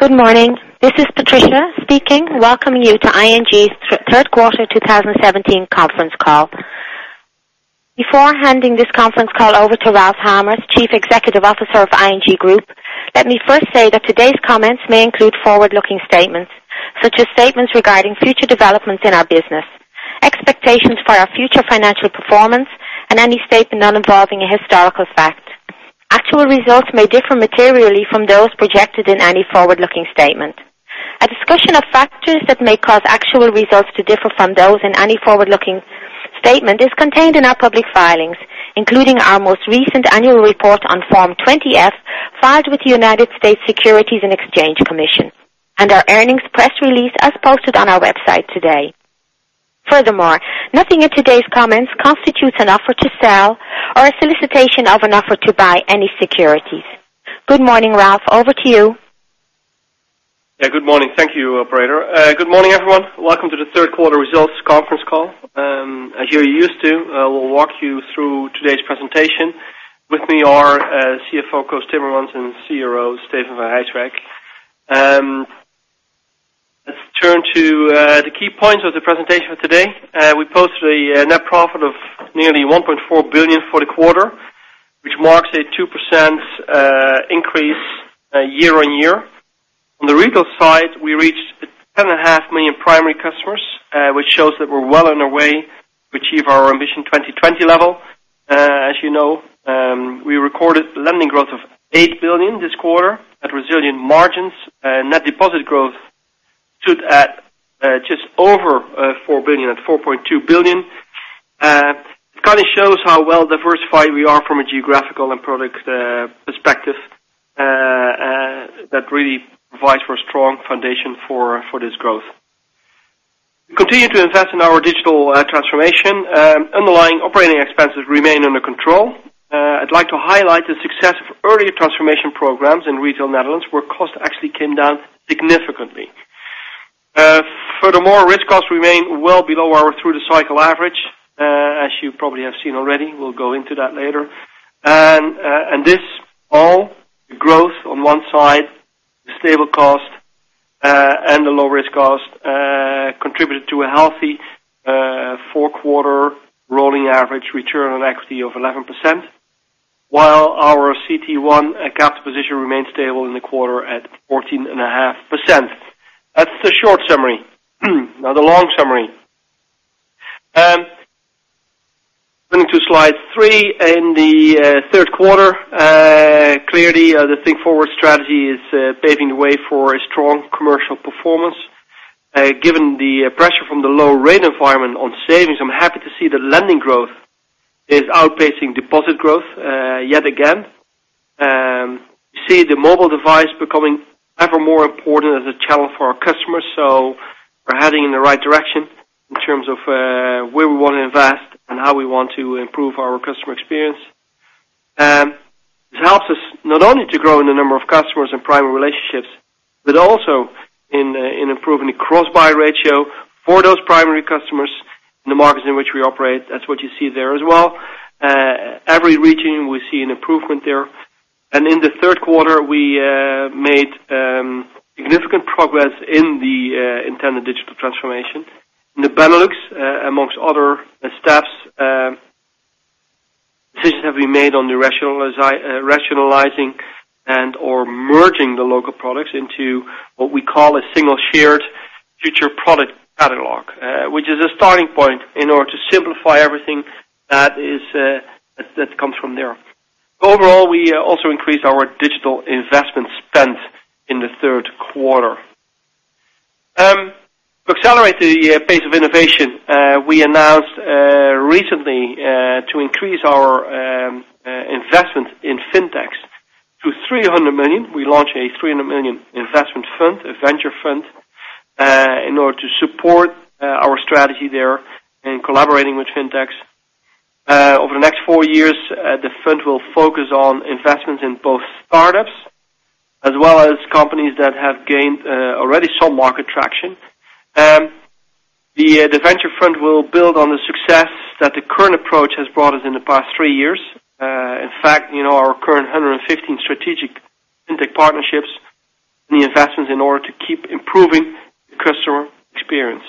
Good morning. This is Patricia speaking, welcoming you to ING's third quarter 2017 conference call. Before handing this conference call over to Ralph Hamers, Chief Executive Officer of ING Groep, let me first say that today's comments may include forward-looking statements, such as statements regarding future developments in our business, expectations for our future financial performance, and any statement not involving a historical fact. Actual results may differ materially from those projected in any forward-looking statement. A discussion of factors that may cause actual results to differ from those in any forward-looking statement is contained in our public filings, including our most recent annual report on Form 20-F, filed with the United States Securities and Exchange Commission, and our earnings press release as posted on our website today. Furthermore, nothing in today's comments constitutes an offer to sell or a solicitation of an offer to buy any securities. Good morning, Ralph. Over to you. Good morning. Thank you, operator. Good morning, everyone. Welcome to the third quarter results conference call. As you are used to, I will walk you through today's presentation. With me are CFO Koos Timmermans and CRO Steven van Rijswijk. Let's turn to the key points of the presentation today. We posted a net profit of nearly 1.4 billion for the quarter, which marks a 2% increase year-on-year. On the retail side, we reached 10.5 million primary customers, which shows that we're well on our way to achieve our Ambition 2020 level. As you know, we recorded lending growth of 8 billion this quarter at resilient margins. Net deposit growth stood at just over 4 billion, at 4.2 billion. It kind of shows how well-diversified we are from a geographical and product perspective, that really provides for a strong foundation for this growth. We continue to invest in our digital transformation. Underlying operating expenses remain under control. I'd like to highlight the success of earlier transformation programs in Retail Netherlands, where cost actually came down significantly. Furthermore, risk costs remain well below our through-the-cycle average, as you probably have seen already. We'll go into that later. And this all, the growth on one side, the stable cost, and the low risk cost contributed to a healthy four-quarter rolling average return on equity of 11%, while our CET1 capital position remained stable in the quarter at 14.5%. That's the short summary. Now the long summary. Moving to slide three. In the third quarter, clearly the Think Forward strategy is paving the way for a strong commercial performance. Given the pressure from the low rate environment on savings, I'm happy to see the lending growth is outpacing deposit growth yet again. You see the mobile device becoming ever more important as a channel for our customers. We're heading in the right direction in terms of where we want to invest and how we want to improve our customer experience. This helps us not only to grow in the number of customers and primary relationships, but also in improving the cross-buy ratio for those primary customers in the markets in which we operate. That's what you see there as well. Every region, we see an improvement there. In the third quarter, we made significant progress in the intended digital transformation. In the Benelux, amongst other steps, decisions have been made on rationalizing and/or merging the local products into what we call a single shared future product catalog, which is a starting point in order to simplify everything that comes from there. Overall, we also increased our digital investment spend in the third quarter. To accelerate the pace of innovation, we announced recently to increase our investment in fintechs to 300 million. We launched a 300 million investment fund, a venture fund, in order to support our strategy there in collaborating with fintechs. Over the next 4 years, the fund will focus on investments in both startups as well as companies that have gained already some market traction. The venture fund will build on the success that the current approach has brought us in the past 3 years. In fact, our current 115 strategic fintech partnerships, the investments in order to keep improving the customer experience.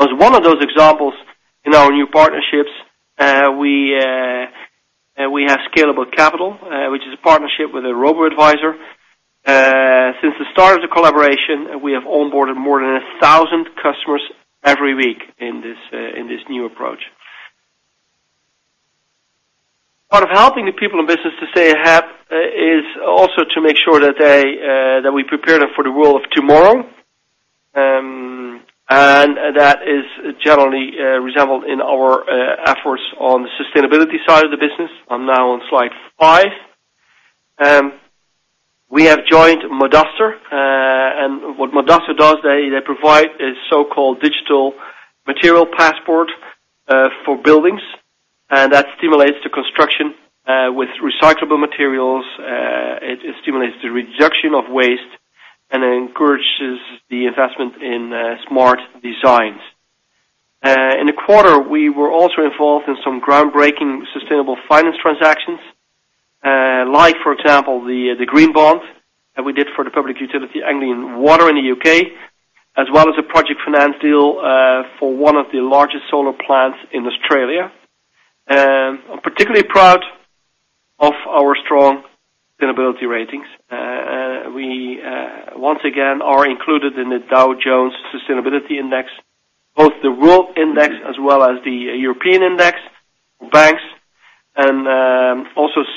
As one of those examples in our new partnerships, we have Scalable Capital, which is a partnership with a robo-advisor. Since the start of the collaboration, we have onboarded more than 1,000 customers every week in this new approach. Part of helping the people in business to stay ahead is also to make sure that we prepare them for the world of tomorrow, and that is generally resembled in our efforts on the sustainability side of the business. I'm now on slide five. We have joined Madaster, and what Madaster does, they provide a so-called digital material passport for buildings, and that stimulates the construction with recyclable materials. It stimulates the reduction of waste. The investment in smart designs. In the quarter, we were also involved in some groundbreaking sustainable finance transactions, like, for example, the green bond that we did for the public utility Anglian Water in the U.K., as well as a project finance deal for one of the largest solar plants in Australia. I'm particularly proud of our strong sustainability ratings. We, once again, are included in the Dow Jones Sustainability Index, both the world index as well as the European index for banks.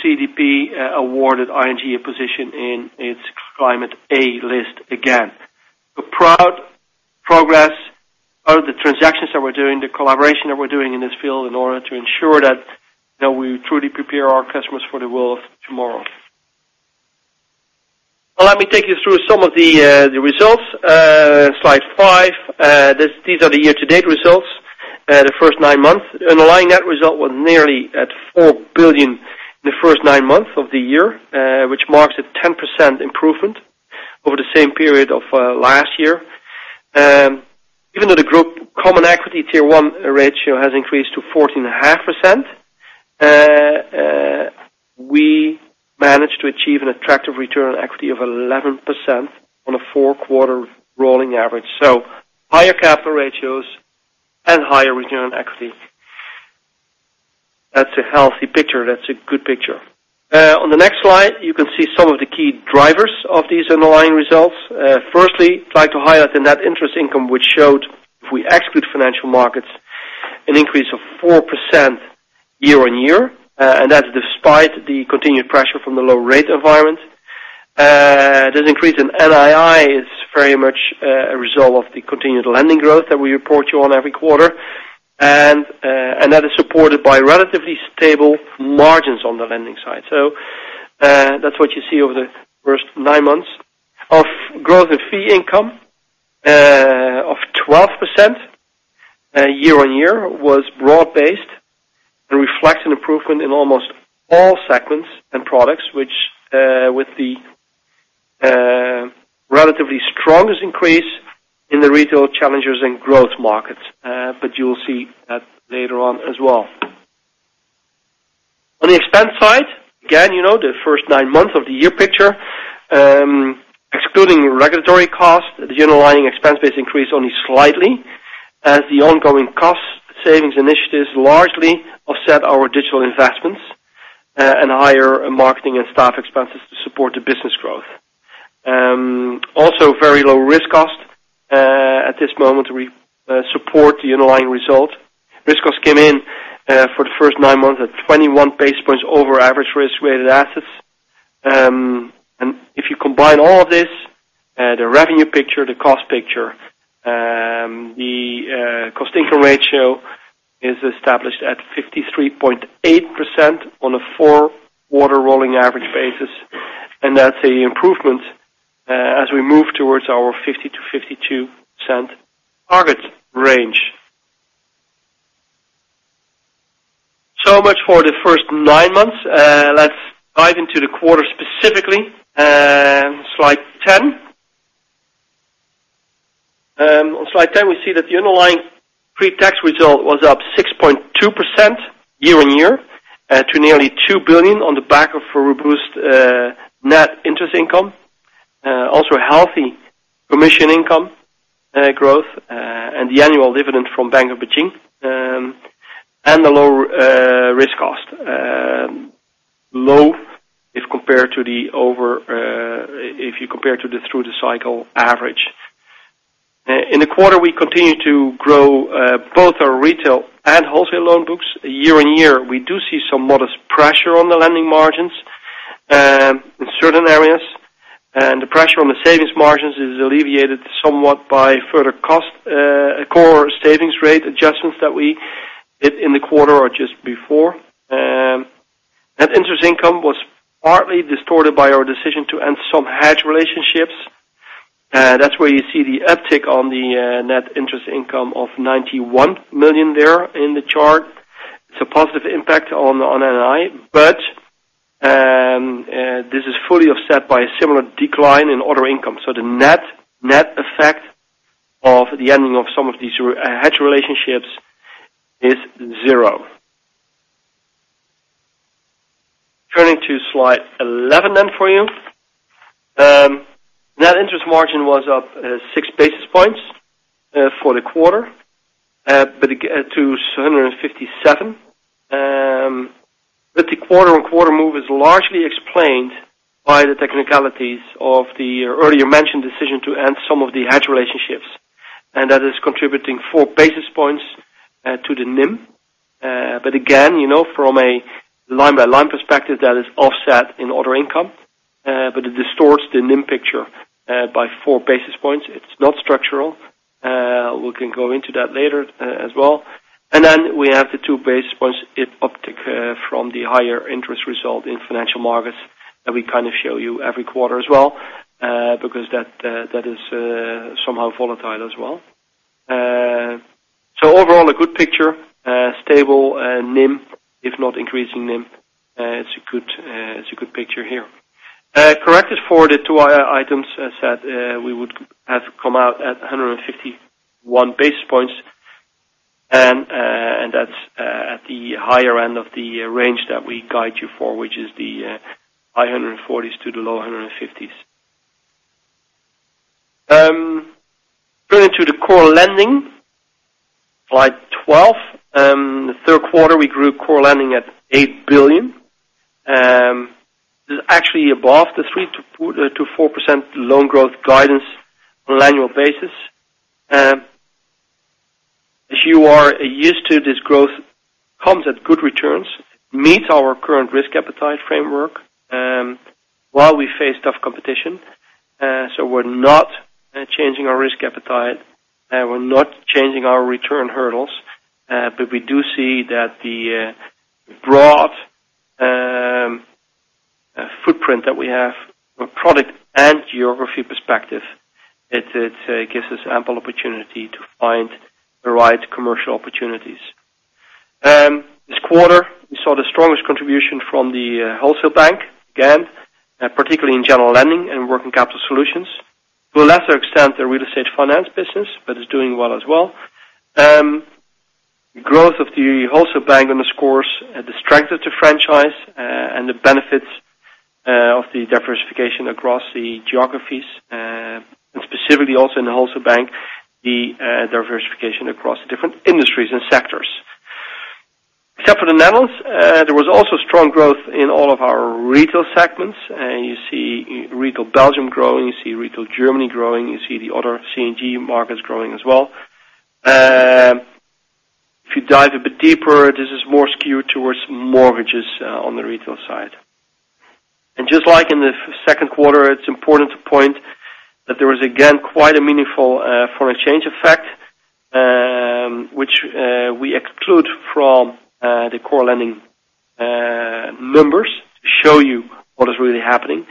CDP awarded ING a position in its CDP Climate A List again. We're proud progress are the transactions that we're doing, the collaboration that we're doing in this field in order to ensure that we truly prepare our customers for the world of tomorrow. Let me take you through some of the results, slide five. These are the year-to-date results, the first 9 months. Underlying net result was nearly at 4 billion in the first 9 months of the year, which marks a 10% improvement over the same period of last year. Even though the group Common Equity Tier 1 ratio has increased to 14.5%, we managed to achieve an attractive return on equity of 11% on a four-quarter rolling average. Higher capital ratios and higher return on equity. That's a healthy picture. That's a good picture. On the next slide, you can see some of the key drivers of these underlying results. Firstly, try to highlight the net interest income, which showed, if we exclude financial markets, an increase of 4% year-on-year, and that's despite the continued pressure from the low rate environment. This increase in NII is very much a result of the continued lending growth that we report to you on every quarter, and that is supported by relatively stable margins on the lending side. That's what you see over the first nine months of growth and fee income of 12% year-on-year, was broad-based and reflects an improvement in almost all segments and products, with the relatively strongest increase in the Retail Challengers and Growth Markets. You will see that later on as well. On the expense side, again, the first nine months of the year picture, excluding regulatory costs, the underlying expense base increased only slightly as the ongoing cost savings initiatives largely offset our digital investments and higher marketing and staff expenses to support the business growth. Also very low risk cost. At this moment, we support the underlying result. Risk costs came in for the first nine months at 21 basis points over average risk-weighted assets. If you combine all of this, the revenue picture, the cost picture, the cost-income ratio is established at 53.8% on a four-quarter rolling average basis, and that's an improvement as we move towards our 50% to 52% target range. Much for the first nine months. Let's dive into the quarter specifically. Slide 10. On slide 10, we see that the underlying pre-tax result was up 6.2% year-on-year to nearly 2 billion EUR on the back of a robust net interest income. Also a healthy commission income growth and the annual dividend from Bank of Beijing, and the low risk cost. Low if you compare to the through the cycle average. In the quarter, we continued to grow both our retail and wholesale loan books year-on-year. We do see some modest pressure on the lending margins in certain areas. The pressure on the savings margins is alleviated somewhat by further cost, core savings rate adjustments that we did in the quarter or just before. Net interest income was partly distorted by our decision to end some hedge relationships. That's where you see the uptick on the net interest income of 91 million there in the chart. It's a positive impact on NII, but this is fully offset by a similar decline in other income. The net effect of the ending of some of these hedge relationships is zero. Turning to slide 11 for you. Net interest margin was up six basis points for the quarter, to somewhere in 57. The quarter-on-quarter move is largely explained by the technicalities of the earlier mentioned decision to end some of the hedge relationships, and that is contributing four basis points to the NIM. From a line-by-line perspective, that is offset in other income, but it distorts the NIM picture by four basis points. It's not structural. We can go into that later as well. Then we have the two basis points uptick from the higher interest result in financial markets that we show you every quarter as well, because that is somehow volatile as well. Overall, a good picture, stable NIM, if not increasing NIM. It's a good picture here. Corrected for the two items, as said, we would have come out at 151 basis points, and that's at the higher end of the range that we guide you for, which is the high 140s to the low 150s. Going into the core lending, slide 12. The third quarter, we grew core lending at 8 billion. This is actually above the 3%-4% loan growth guidance on an annual basis. As you are used to, this growth comes at good returns, meets our current risk appetite framework, while we face tough competition. We're not changing our risk appetite, we're not changing our return hurdles, but we do see that the broad footprint that we have from a product and geography perspective, it gives us ample opportunity to find the right commercial opportunities. This quarter, we saw the strongest contribution from the wholesale bank, again, particularly in general lending and working capital solutions. To a lesser extent, the Real Estate Finance business, but it's doing well as well. Growth of the wholesale bank underscores the strength of the franchise and the benefits of the diversification across the geographies, and specifically also in the wholesale bank, the diversification across the different industries and sectors. Except for the Netherlands, there was also strong growth in all of our retail segments. You see Retail Belgium growing, you see Retail Germany growing, you see the other C&GM markets growing as well. If you dive a bit deeper, this is more skewed towards mortgages on the retail side. Just like in the second quarter, it's important to point that there was again, quite a meaningful foreign exchange effect, which we exclude from the core lending numbers to show you what is really happening.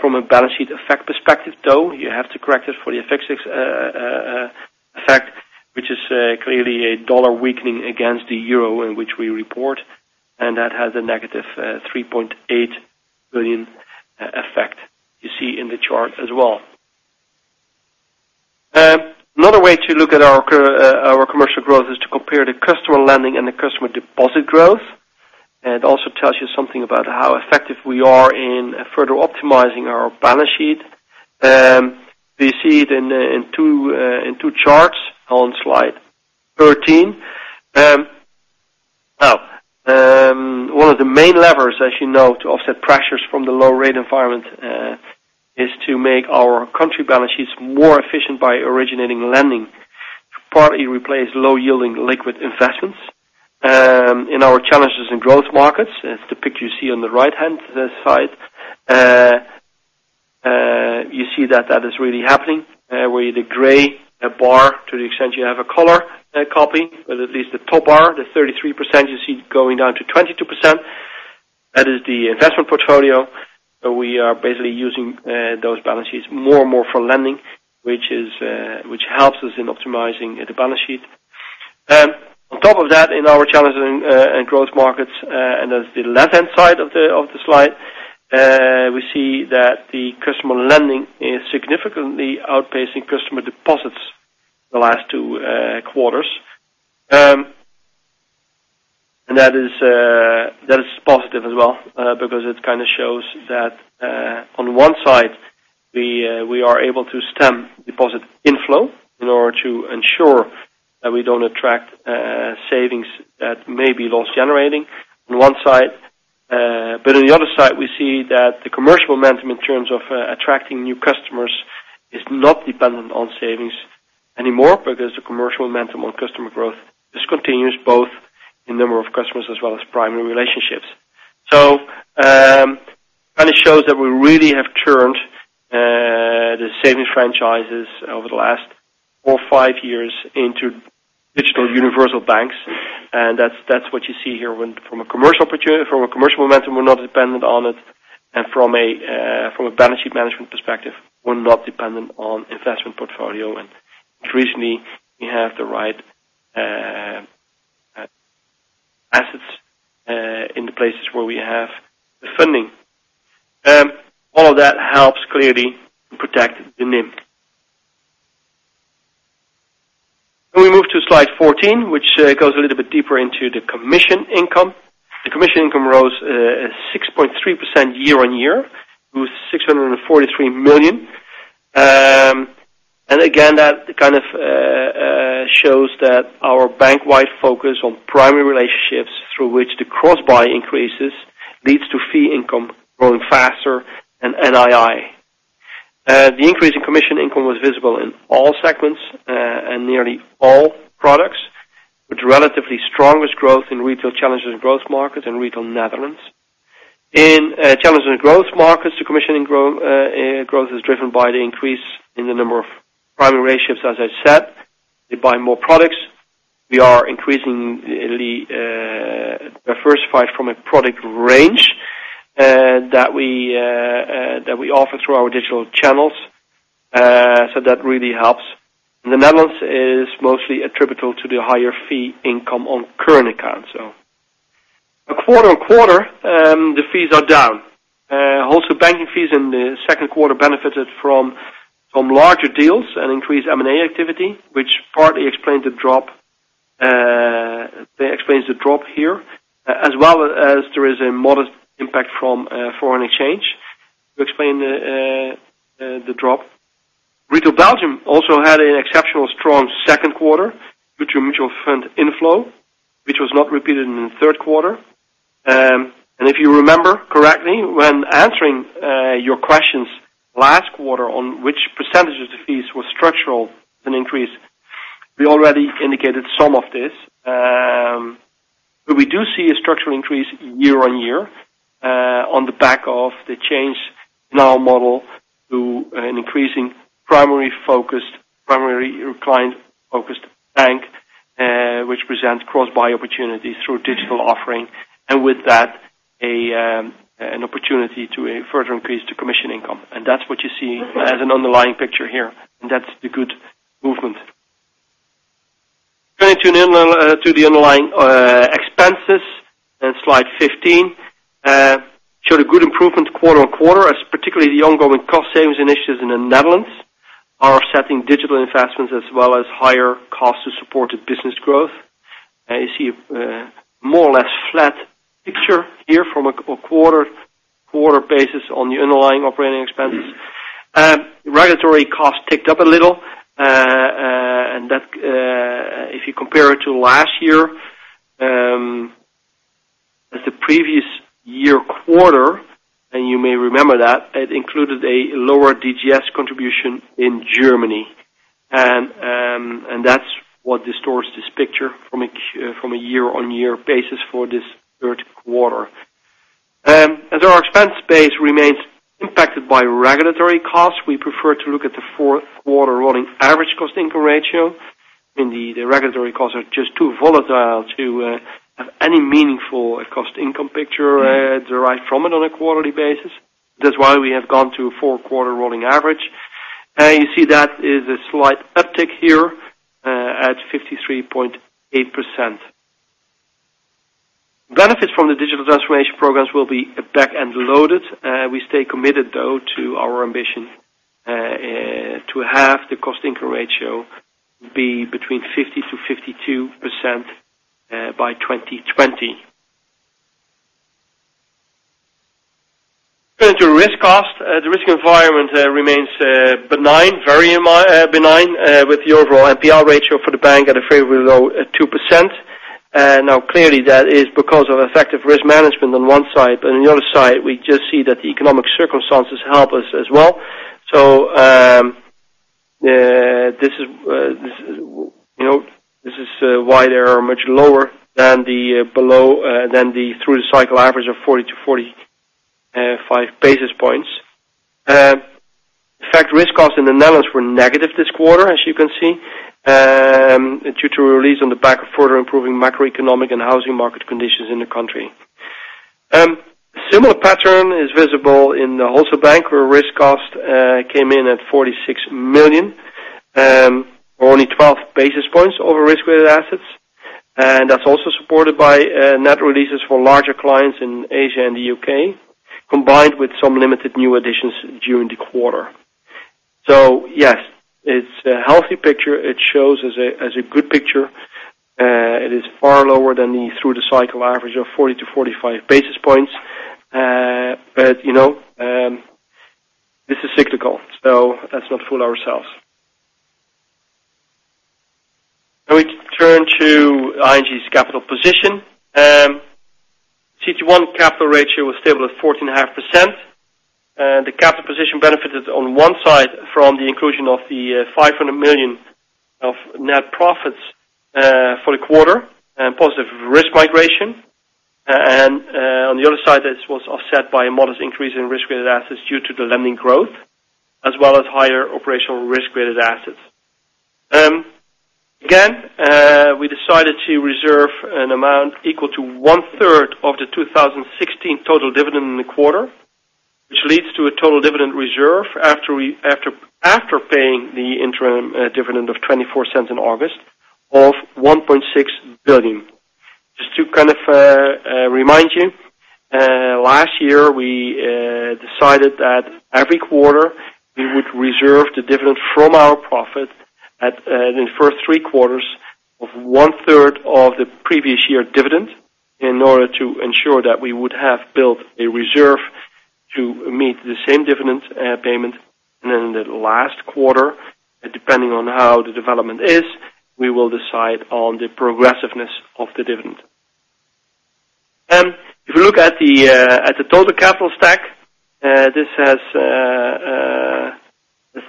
From a balance sheet effect perspective, though, you have to correct it for the FX effect, which is clearly a USD weakening against the EUR in which we report, and that has a negative 3.8 billion effect you see in the chart as well. Another way to look at our commercial growth is to compare the customer lending and the customer deposit growth. It also tells you something about how effective we are in further optimizing our balance sheet. We see it in two charts on slide 13. One of the main levers, as you know, to offset pressures from the low rate environment, is to make our country balance sheets more efficient by originating lending to partly replace low-yielding liquid investments. In our Challengers & Growth Markets, it's the picture you see on the right-hand side. You see that that is really happening, where the gray bar, to the extent you have a color copy, but at least the top bar, the 33%, you see it going down to 22%. That is the investment portfolio. We are basically using those balance sheets more and more for lending, which helps us in optimizing the balance sheet. On top of that, in our Challengers and Growth Markets, that's the left-hand side of the slide, we see that the customer lending is significantly outpacing customer deposits the last two quarters. That is positive as well, because it shows that on one side, we are able to stem deposit inflow in order to ensure that we don't attract savings that may be loss-generating on one side. On the other side, we see that the commercial momentum in terms of attracting new customers is not dependent on savings anymore, because the commercial momentum on customer growth is continuous, both in number of customers as well as primary relationships. It shows that we really have turned the savings franchises over the last four, five years into digital universal banks, and that's what you see here. From a commercial momentum, we're not dependent on it, and from a balance sheet management perspective, we're not dependent on investment portfolio. Increasingly, we have the right assets in the places where we have the funding. All of that helps, clearly, to protect the NIM. We move to slide 14, which goes a little bit deeper into the commission income. The commission income rose 6.3% year-on-year, to EUR 643 million. Again, that shows that our bank-wide focus on primary relationships through which the cross-buy increases, leads to fee income growing faster than NII. The increase in commission income was visible in all segments and nearly all products, with relatively strongest growth in Retail Challengers and Growth Markets and Retail Netherlands. In Challengers and Growth Markets, the commission growth is driven by the increase in the number of primary relationships, as I said. They buy more products. We are increasing the Diversified from a product range that we offer through our digital channels, that really helps. The Netherlands is mostly attributable to the higher fee income on current accounts. Quarter-on-quarter, the fees are down. Wholesale banking fees in the second quarter benefited from larger deals and increased M&A activity, which partly explains the drop here as well as there is a modest impact from foreign exchange to explain the drop. Retail Belgium also had an exceptional strong second quarter mutual fund inflow, which was not repeated in the third quarter. If you remember correctly, when answering your questions last quarter on which % of the fees was structural and increase, we already indicated some of this. We do see a structural increase year-on-year on the back of the change in our model to an increasing primary client-focused bank, which presents cross-buy opportunities through digital offering, and with that, an opportunity to further increase the commission income. That's what you see as an underlying picture here, that's the good movement. Turning to the underlying expenses in slide 15, showed a good improvement quarter-on-quarter, as particularly the ongoing cost savings initiatives in the Netherlands are offsetting digital investments as well as higher costs to support the business growth. You see a more or less flat picture here from a quarter basis on the underlying operating expenses. Regulatory costs ticked up a little, if you compare it to last year, the previous year quarter, you may remember that, it included a lower DGS contribution in Germany. That's what distorts this picture from a year-on-year basis for this third quarter. As our expense base remains impacted by regulatory costs, we prefer to look at the four-quarter rolling average cost-income ratio. The regulatory costs are just too volatile to have any meaningful cost-income picture derived from it on a quarterly basis. That's why we have gone to a four-quarter rolling average. That is a slight uptick here at 53.8%. Benefits from the digital transformation programs will be back end loaded. We stay committed, though, to our ambition to have the cost-income ratio be between 50%-52% by 2020. Going to risk cost. The risk environment remains benign, very benign, with the overall NPL ratio for the bank at a very low at 2%. Clearly, that is because of effective risk management on one side, but on the other side, we just see that the economic circumstances help us as well. This is why they are much lower than the through-the-cycle average of 40-45 basis points. In fact, risk costs in the Netherlands were negative this quarter, as you can see, due to a release on the back of further improving macroeconomic and housing market conditions in the country. Similar pattern is visible in the wholesale bank, where risk cost came in at 46 million, or only 12 basis points over risk-weighted assets. That's also supported by net releases for larger clients in Asia and the U.K., combined with some limited new additions during the quarter. Yes, it's a healthy picture. It shows as a good picture. It is far lower than the through-the-cycle average of 40-45 basis points. This is cyclical, so let's not fool ourselves. We turn to ING's capital position. CET1 capital ratio was stable at 14.5%. The capital position benefited on one side from the inclusion of the 500 million of net profits for the quarter and positive risk migration. On the other side, this was offset by a modest increase in risk-weighted assets due to the lending growth, as well as higher operational risk-weighted assets. Again, we decided to reserve an amount equal to one-third of the 2016 total dividend in the quarter, which leads to a total dividend reserve after paying the interim dividend of 0.24 in August of 1.6 billion. Just to remind you, last year we decided that every quarter we would reserve the dividend from our profit at the first three quarters of one-third of the previous year dividend in order to ensure that we would have built a reserve to meet the same dividend payment. Then in the last quarter, depending on how the development is, we will decide on the progressiveness of the dividend. If you look at the total capital stack, this is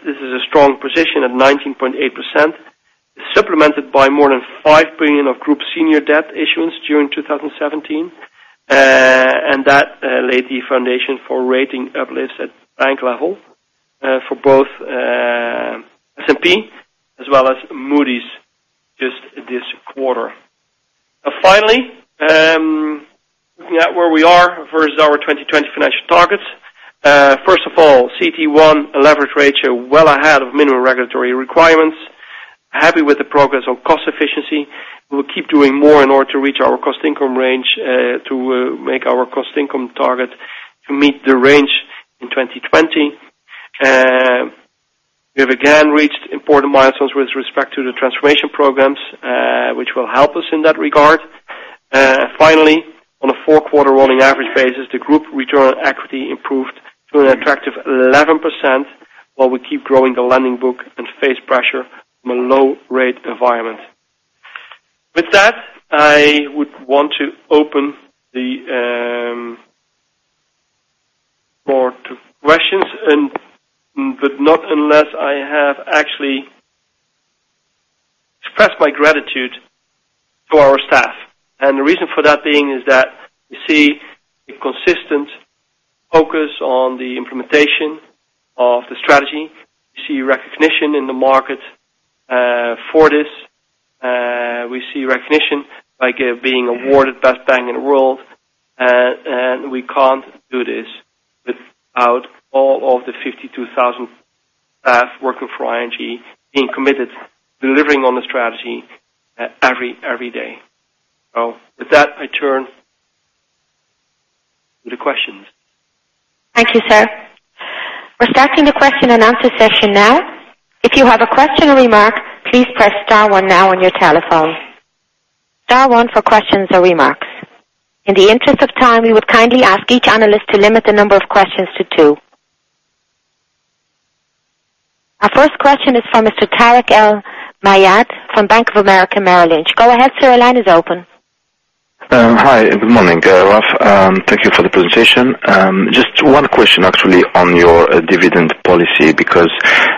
a strong position at 19.8%, supplemented by more than 5 billion of group senior debt issuance during 2017. That laid the foundation for rating uplifts at bank level for both S&P, as well as Moody's, just this quarter. Finally, looking at where we are versus our 2020 financial targets. First of all, CET1 leverage ratio well ahead of minimum regulatory requirements. Happy with the progress on cost efficiency. We'll keep doing more in order to reach our cost income range, to make our cost income target to meet the range in 2020. We have again reached important milestones with respect to the transformation programs, which will help us in that regard. Finally, on a four-quarter rolling average basis, the group return on equity improved to an attractive 11%, while we keep growing the lending book and face pressure from a low-rate environment. With that, I would want to open the floor to questions, but not unless I have actually expressed my gratitude for our staff. The reason for that being is that we see a consistent focus on the implementation of the strategy. We see recognition in the market for this. We see recognition like being awarded best bank in the world, and we can't do this without all of the 52,000 staff working for ING being committed to delivering on the strategy every day. With that, I turn to the questions. Thank you, sir. We're starting the question and answer session now. If you have a question or remark, please press star one now on your telephone. Star one for questions or remarks. In the interest of time, we would kindly ask each analyst to limit the number of questions to two. Our first question is from Mr. Tarik El Mejjad from Bank of America Merrill Lynch. Go ahead, sir. Your line is open. Hi, good morning, Ralph. Thank you for the presentation. Just one question, actually, on your dividend policy, because,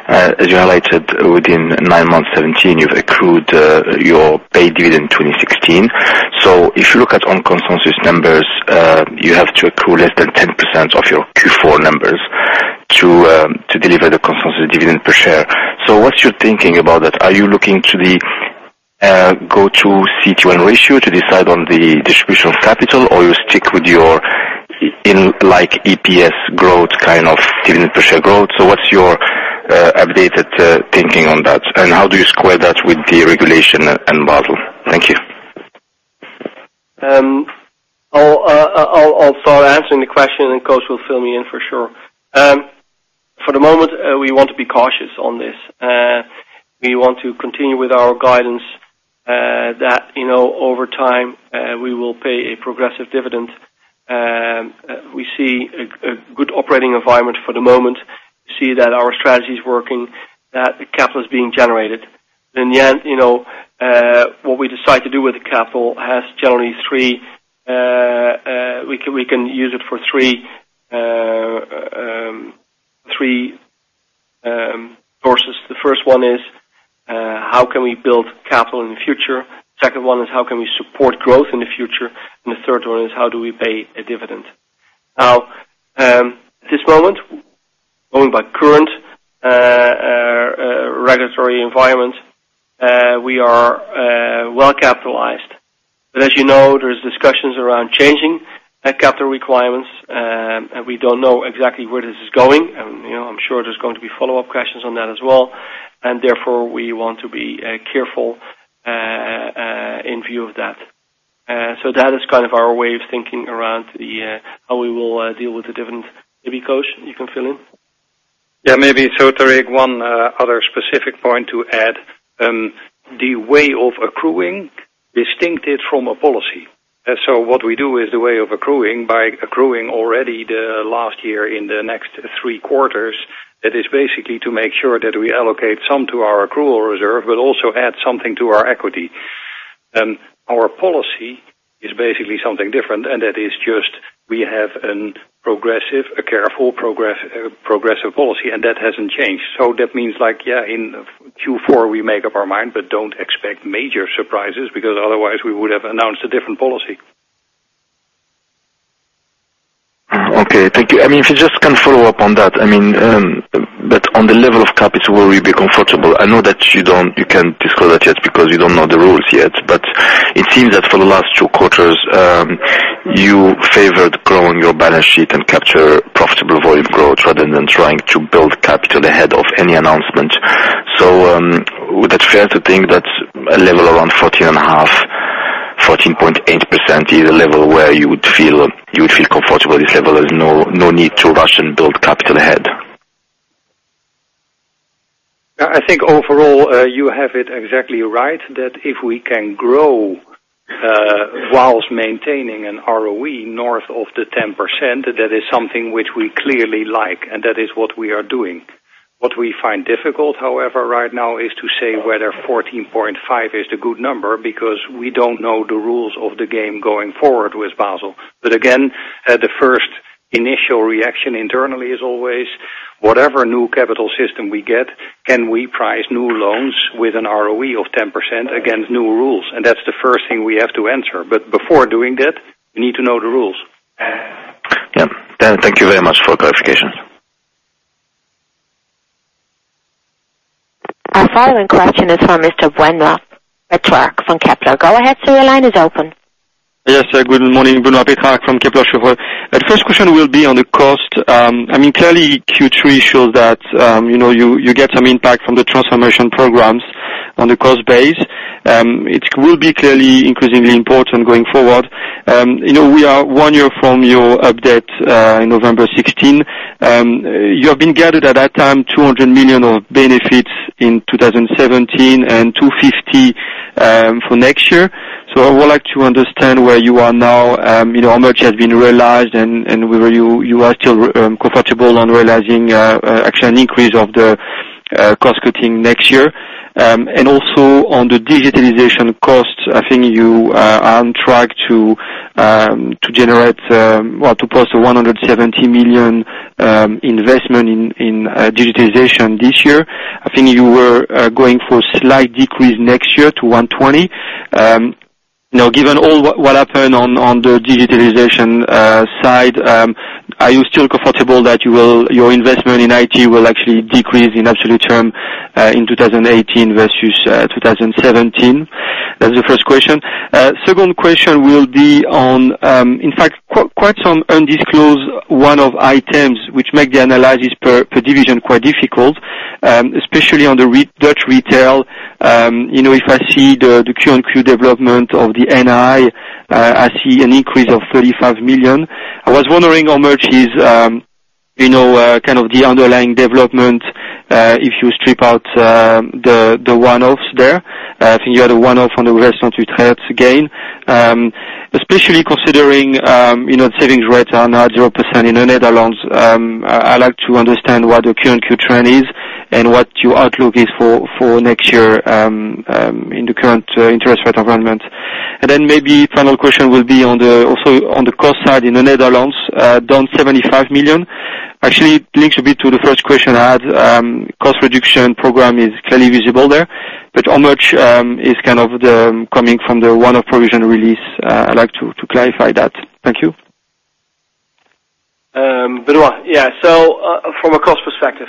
as you highlighted within nine months 2017, you've accrued your pay dividend 2016. If you look at on-consensus numbers, you have to accrue less than 10% of your Q4 numbers to deliver the consensus dividend per share. What's your thinking about that? Are you looking to the go-to CET1 ratio to decide on the distribution of capital, or you stick with your EPS growth kind of dividend per share growth? What's your updated thinking on that, and how do you square that with the regulation and Basel? Thank you. I'll start answering the question. Koos will fill me in for sure. For the moment, we want to be cautious on this. We want to continue with our guidance that over time we will pay a progressive dividend. We see a good operating environment for the moment. We see that our strategy is working, that the capital is being generated. In the end, what we decide to do with the capital, we can use it for three courses. The first one is, how can we build capital in the future? Second one is, how can we support growth in the future? The third one is, how do we pay a dividend? At this moment, going by current regulatory environment, we are well capitalized. As you know, there's discussions around changing that capital requirements, and we don't know exactly where this is going. I'm sure there's going to be follow-up questions on that as well. Therefore, we want to be careful in view of that. That is our way of thinking around how we will deal with the dividend. Maybe Koos, you can fill in. Maybe. Tarik, one other specific point to add. The way of accruing distinct it from a policy. What we do is the way of accruing by accruing already the last year in the next three quarters. That is basically to make sure that we allocate some to our accrual reserve, but also add something to our equity. Our policy is basically something different. That is just we have a careful progressive policy, and that hasn't changed. That means, in Q4, we make up our mind, but don't expect major surprises, because otherwise we would have announced a different policy. Okay. Thank you. If you just can follow up on that. On the level of capital, will you be comfortable? I know that you can't discuss that yet because you don't know the rules yet. It seems that for the last two quarters, you favored growing your balance sheet and capture profitable volume growth rather than trying to build capital ahead of any announcement. Would that fair to think that a level around 14 and a half, 14.8% is a level where you would feel comfortable this level? There's no need to rush and build capital ahead. I think overall, you have it exactly right that if we can grow whilst maintaining an ROE north of 10%, that is something which we clearly like, and that is what we are doing. What we find difficult, however, right now is to say whether 14.5 is the good number because we don't know the rules of the game going forward with Basel. The first initial reaction internally is always whatever new capital system we get, can we price new loans with an ROE of 10% against new rules? And that's the first thing we have to answer. But before doing that, we need to know the rules. Then, thank you very much for clarification. Our following question is for Mr. Benoit Pétrarque from Kepler Cheuvreux. Go ahead, sir, your line is open. Good morning, Benoit Pétrarque from Kepler Cheuvreux. First question will be on the cost. Q3 shows that you get some impact from the transformation programs on the cost base. It will be clearly increasingly important going forward. We are one year from your update, November 2016. You have been guided at that time, 200 million of benefits in 2017 and 250 for next year. So I would like to understand where you are now, how much has been realized, and whether you are still comfortable on realizing actually an increase of the cost-cutting next year. And also on the digitalization costs, I think you are on track to post a 170 million investment in digitalization this year. I think you were going for a slight decrease next year to 120. Now, given all what happened on the digitalization side, are you still comfortable that your investment in IT will actually decrease in absolute term, in 2018 versus 2017? That's the first question. Second question will be on, in fact, quite some undisclosed one-off items which make the analysis per division quite difficult, especially on the Retail Netherlands. If I see the quarter-over-quarter development of the NII, I see an increase of 35 million. I was wondering how much is the underlying development, if you strip out the one-offs there. I think you had a one-off on the [savings with replicates] again. Especially considering savings rates are now 0% in the Netherlands. I like to understand what the quarter-over-quarter trend is and what your outlook is for next year, in the current interest rate environment. Maybe final question will be also on the cost side in the Netherlands, down EUR 75 million. Actually links a bit to the first question I had. Cost reduction program is clearly visible there, how much is coming from the one-off provision release? I'd like to clarify that. Thank you. Benoit. Yeah. From a cost perspective.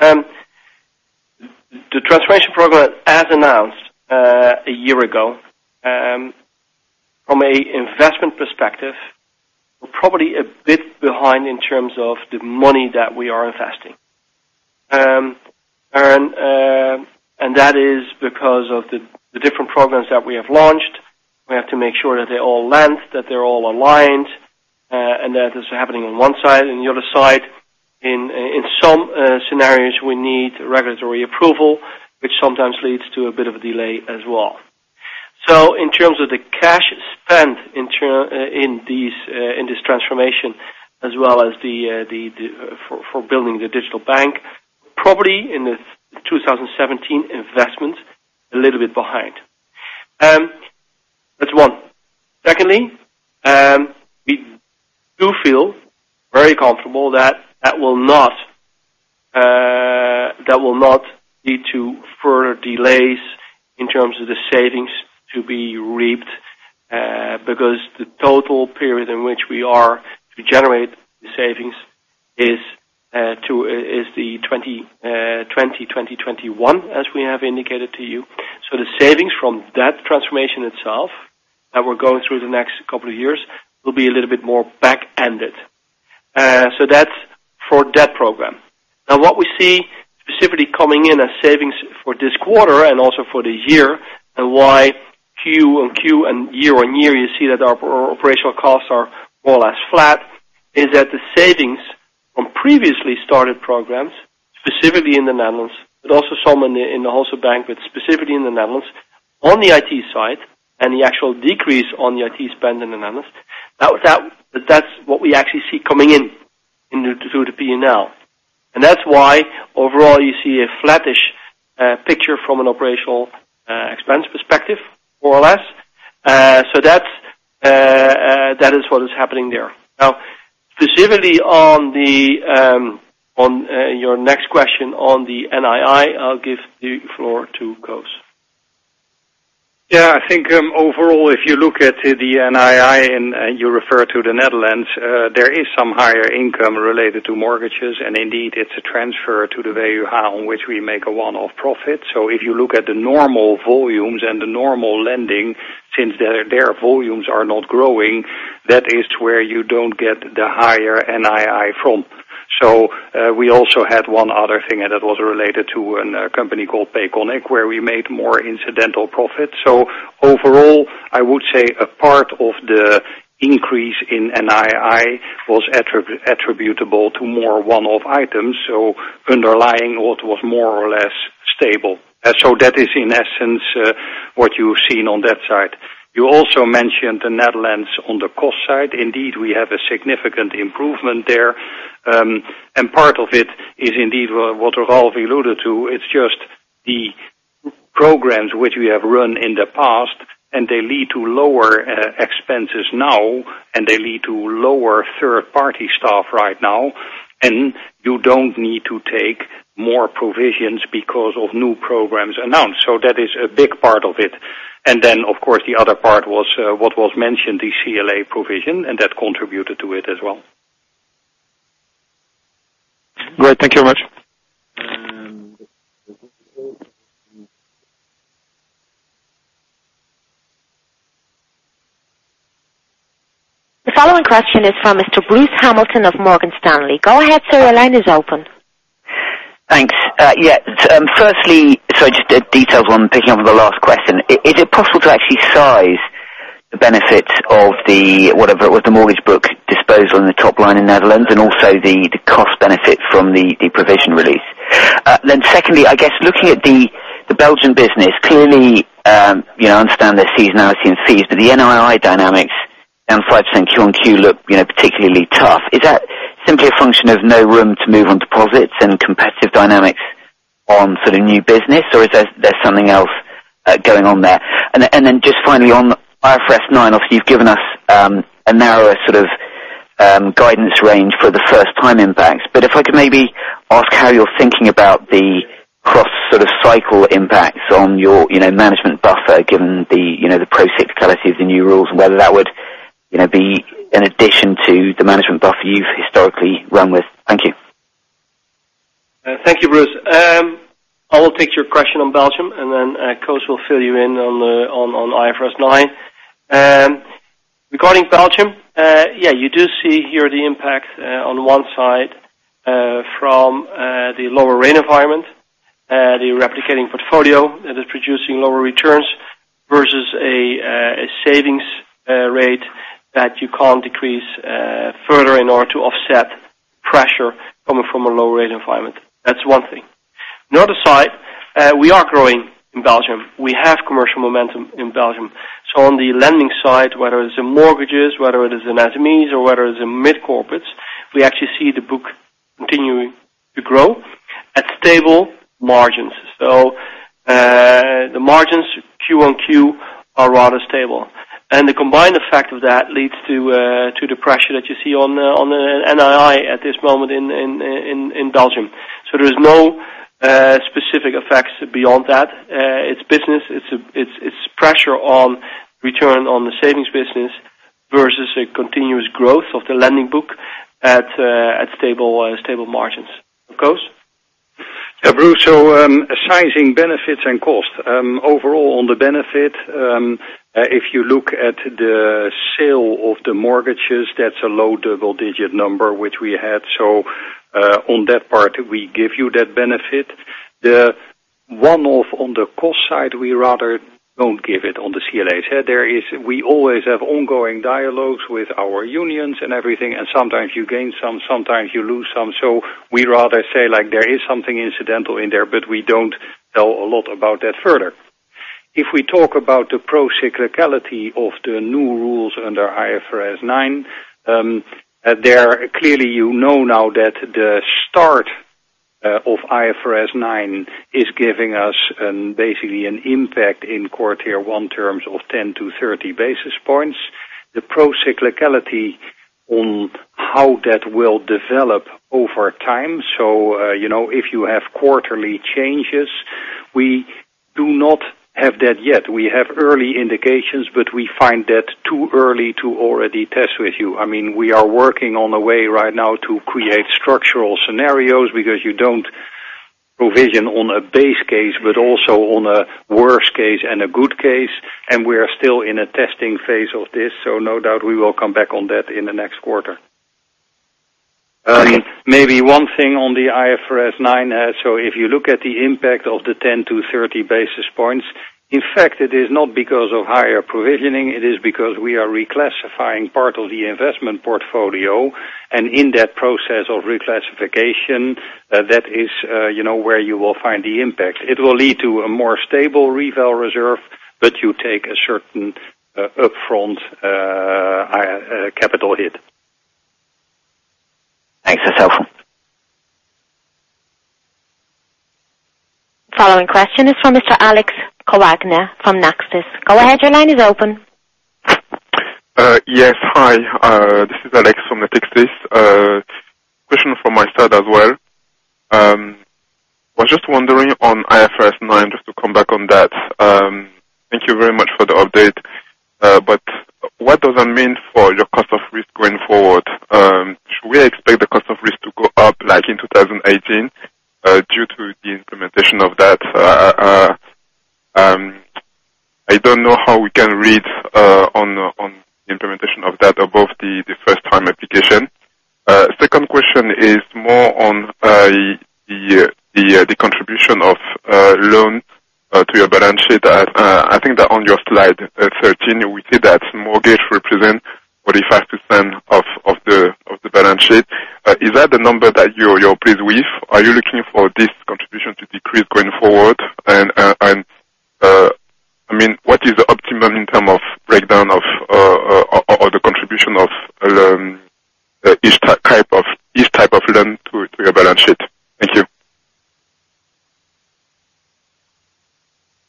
The transformation program, as announced a year ago, from an investment perspective, we're probably a bit behind in terms of the money that we are investing. That is because of the different programs that we have launched. We have to make sure that they all land, that they're all aligned, and that it's happening on one side and the other side. In some scenarios, we need regulatory approval, which sometimes leads to a bit of a delay as well. In terms of the cash spent in this transformation as well as for building the digital bank, probably in the 2017 investment, a little bit behind. That's one. Secondly, we do feel very comfortable that will not lead to further delays in terms of the savings to be reaped, because the total period in which we are to generate the savings is the 2020-2021, as we have indicated to you. The savings from that transformation itself, that we're going through the next couple of years, will be a little bit more back-ended. That's for that program. What we see specifically coming in as savings for this quarter and also for the year, and why quarter-on-quarter and year-on-year, you see that our operational costs are more or less flat, is that the savings from previously started programs, specifically in the Netherlands, but also some in the Wholesale Bank, but specifically in the Netherlands, on the IT side and the actual decrease on the IT spend in the Netherlands, that's what we actually see coming in through the P&L. That's why overall you see a flattish picture from an operational expense perspective, more or less. That is what is happening there. Specifically on your next question on the NII, I'll give the floor to Koos. I think overall, if you look at the NII and you refer to the Netherlands, there is some higher income related to mortgages, and indeed, it's a transfer to the value hub on which we make a one-off profit. If you look at the normal volumes and the normal lending, since their volumes are not growing, that is where you don't get the higher NII from. We also had one other thing, and that was related to a company called Payconiq, where we made more incidental profit. Overall, I would say a part of the increase in NII was attributable to more one-off items. Underlying what was more or less stable. That is in essence what you've seen on that side. You also mentioned the Netherlands on the cost side. Indeed, we have a significant improvement there. Part of it is indeed what Ralph alluded to. It's just the programs which we have run in the past, and they lead to lower expenses now, and they lead to lower third-party staff right now, and you don't need to take more provisions because of new programs announced. That is a big part of it. Of course the other part was what was mentioned, the CLA provision, and that contributed to it as well. Great. Thank you much. The following question is from Mr. Bruce Hamilton of Morgan Stanley. Go ahead, sir. Your line is open. Thanks. Firstly, just details on picking up on the last question. Is it possible to actually size the benefit of the mortgage book disposal in the top line in Netherlands, and also the cost benefit from the provision release? Secondly, I guess looking at the Belgian business, clearly, I understand there's seasonality in fees, but the NII dynamics down 5% Q-on-Q look particularly tough. Is that simply a function of no room to move on deposits and competitive dynamics on new business, or is there something else going on there? Just finally on IFRS 9, obviously you've given us a narrower guidance range for the first time impacts. If I could maybe ask how you're thinking about the cross cycle impacts on your management buffer, given the procyclicality of the new rules and whether that would be an addition to the management buffer you've historically run with. Thank you. Thank you, Bruce. I will take your question on Belgium, and then Koos will fill you in on IFRS 9. Regarding Belgium, you do see here the impact on one side from the lower rate environment, the replicating portfolio that is producing lower returns versus a savings rate that you cannot decrease further in order to offset pressure coming from a low rate environment. That is one thing. The other side, we are growing in Belgium. We have commercial momentum in Belgium. On the lending side, whether it is in mortgages, whether it is in SMEs, or whether it is in mid corporates, we actually see the book continuing to grow at stable margins. The margins quarter-on-quarter are rather stable. The combined effect of that leads to the pressure that you see on the NII at this moment in Belgium. There is no specific effects beyond that. It is business. It is pressure on return on the savings business versus a continuous growth of the lending book at stable margins. Koos? Bruce, sizing benefits and costs. Overall, on the benefit, if you look at the sale of the mortgages, that is a low double-digit number which we had. On that part, we give you that benefit. The one-off on the cost side, we rather do not give it on the CLA. We always have ongoing dialogues with our unions and everything, sometimes you gain some, sometimes you lose some. We rather say there is something incidental in there, but we do not tell a lot about that further. If we talk about the procyclicality of the new rules under IFRS 9, clearly you know now that the start of IFRS 9 is giving us basically an impact in quarter one terms of 10 to 30 basis points. The procyclicality on how that will develop over time. If you have quarterly changes, we do not have that yet. We have early indications, but we find that too early to already test with you. We are working on a way right now to create structural scenarios because you do not provision on a base case, but also on a worst case and a good case, and we are still in a testing phase of this. No doubt we will come back on that in the next quarter. Maybe one thing on the IFRS 9. If you look at the impact of the 10 to 30 basis points, in fact, it is not because of higher provisioning, it is because we are reclassifying part of the investment portfolio. In that process of reclassification, that is where you will find the impact. It will lead to a more stable reval reserve, but you take a certain upfront capital hit. Thanks, that's helpful. Following question is from Mr. Alex Colaguinne from Nexis. Go ahead, your line is open. Yes, hi. This is Alex from Nexis. Question for Myself as well. Was just wondering on IFRS 9, just to come back on that. Thank you very much for the update. What does that mean for your cost of risk going forward? Should we expect the cost of risk to go up like in 2018 due to the implementation of that? I don't know how we can read on the implementation of that above the first time application. Second question is more on the contribution of loans to your balance sheet. I think that on your slide 13, we see that mortgage represent 45% of the balance sheet. Is that the number that you're pleased with? Are you looking for this contribution to decrease going forward? What is optimal in terms of breakdown of the contribution of each type of loan to your balance sheet? Thank you.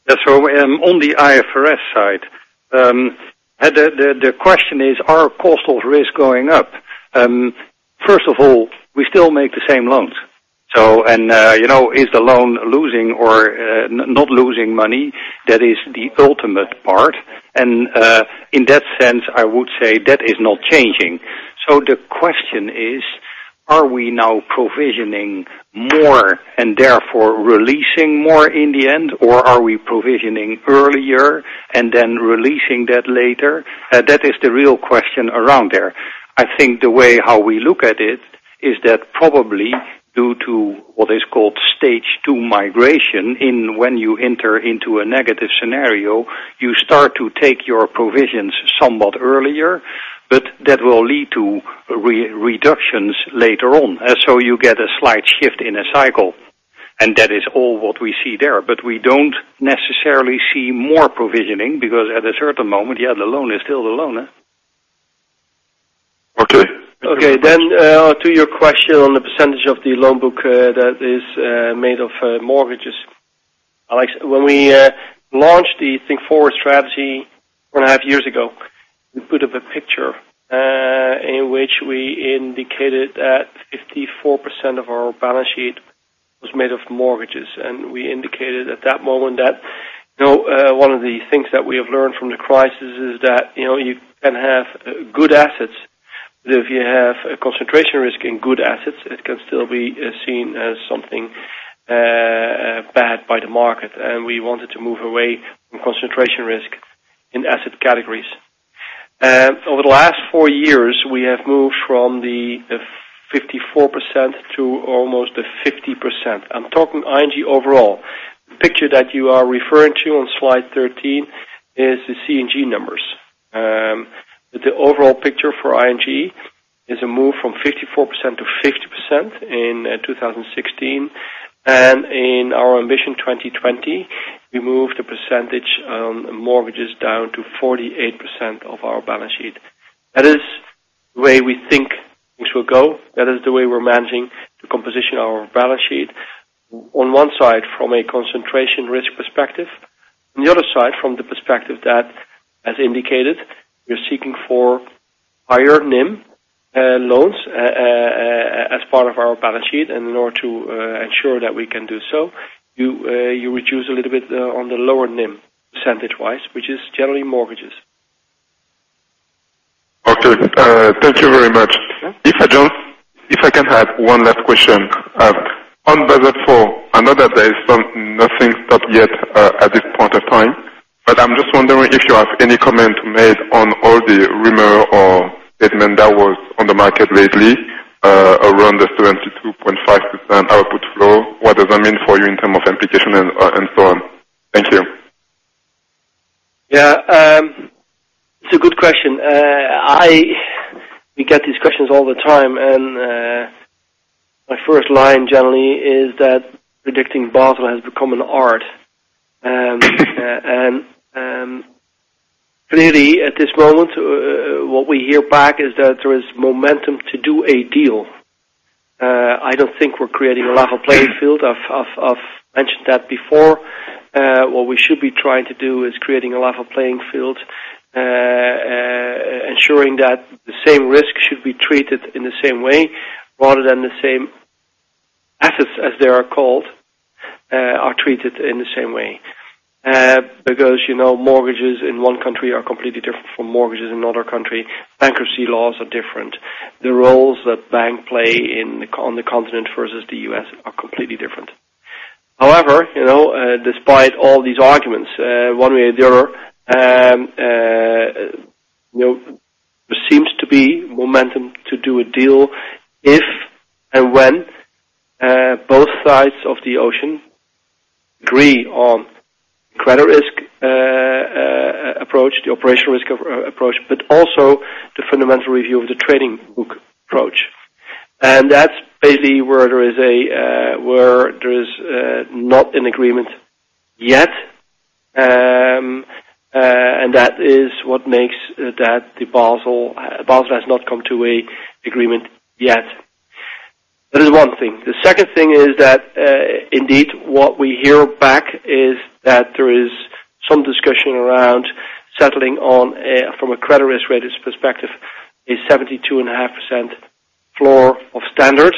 On the IFRS side, the question is, are cost of risk going up? First of all, we still make the same loans. Is the loan losing or not losing money? That is the ultimate part. In that sense, I would say that is not changing. The question is, are we now provisioning more and therefore releasing more in the end, or are we provisioning earlier and then releasing that later? That is the real question around there. I think the way how we look at it is that probably due to what is called stage 2 migration, when you enter into a negative scenario, you start to take your provisions somewhat earlier, that will lead to reductions later on. You get a slight shift in a cycle, and that is all what we see there. We don't necessarily see more provisioning because at a certain moment, the loan is still the loan. Okay. Okay, to your question on the percentage of the loan book that is made of mortgages. Alex, when we launched the Think Forward strategy four and a half years ago, we put up a picture in which we indicated that 54% of our balance sheet was made of mortgages. We indicated at that moment that, one of the things that we have learned from the crisis is that you can have good assets, but if you have a concentration risk in good assets, it can still be seen as something bad by the market. We wanted to move away from concentration risk in asset categories. Over the last four years, we have moved from the 54% to almost 50%. I'm talking ING overall. The picture that you are referring to on slide 13 is the C&G numbers. The overall picture for ING is a move from 54% to 50% in 2016. In our ambition 2020, we moved the percentage mortgages down to 48% of our balance sheet. That is the way we think things will go. That is the way we're managing the composition of our balance sheet, on one side, from a concentration risk perspective, on the other side, from the perspective that, as indicated, we're seeking for higher NIM loans as part of our balance sheet. In order to ensure that we can do so, you reduce a little bit on the lower NIM percentage-wise, which is generally mortgages. Okay. Thank you very much. If I can add one last question. On Basel IV, I know that there is nothing set yet at this point of time. I'm just wondering if you have any comment made on all the rumor or statement that was on the market lately, around the 72.5% output flow. What does that mean for you in terms of implication and so on? Thank you. Yeah. It's a good question. My first line generally is that predicting Basel has become an art. Clearly, at this moment, what we hear back is that there is momentum to do a deal. I don't think we're creating a level playing field. I've mentioned that before. What we should be trying to do is creating a level playing field, ensuring that the same risk should be treated in the same way, rather than the same assets, as they are called, are treated in the same way. Mortgages in one country are completely different from mortgages in another country. Bankruptcy laws are different. The roles that banks play on the continent versus the U.S. are completely different. Despite all these arguments, one way or the other, there seems to be momentum to do a deal if and when both sides of the ocean agree on credit risk approach, the operational risk approach, but also the fundamental review of the trading book approach. That's basically where there is not an agreement yet. That is what makes that Basel has not come to an agreement yet. That is one thing. The second thing is that, indeed, what we hear back is that there is some discussion around settling on, from a credit risk rated perspective, a 72.5% floor of standard.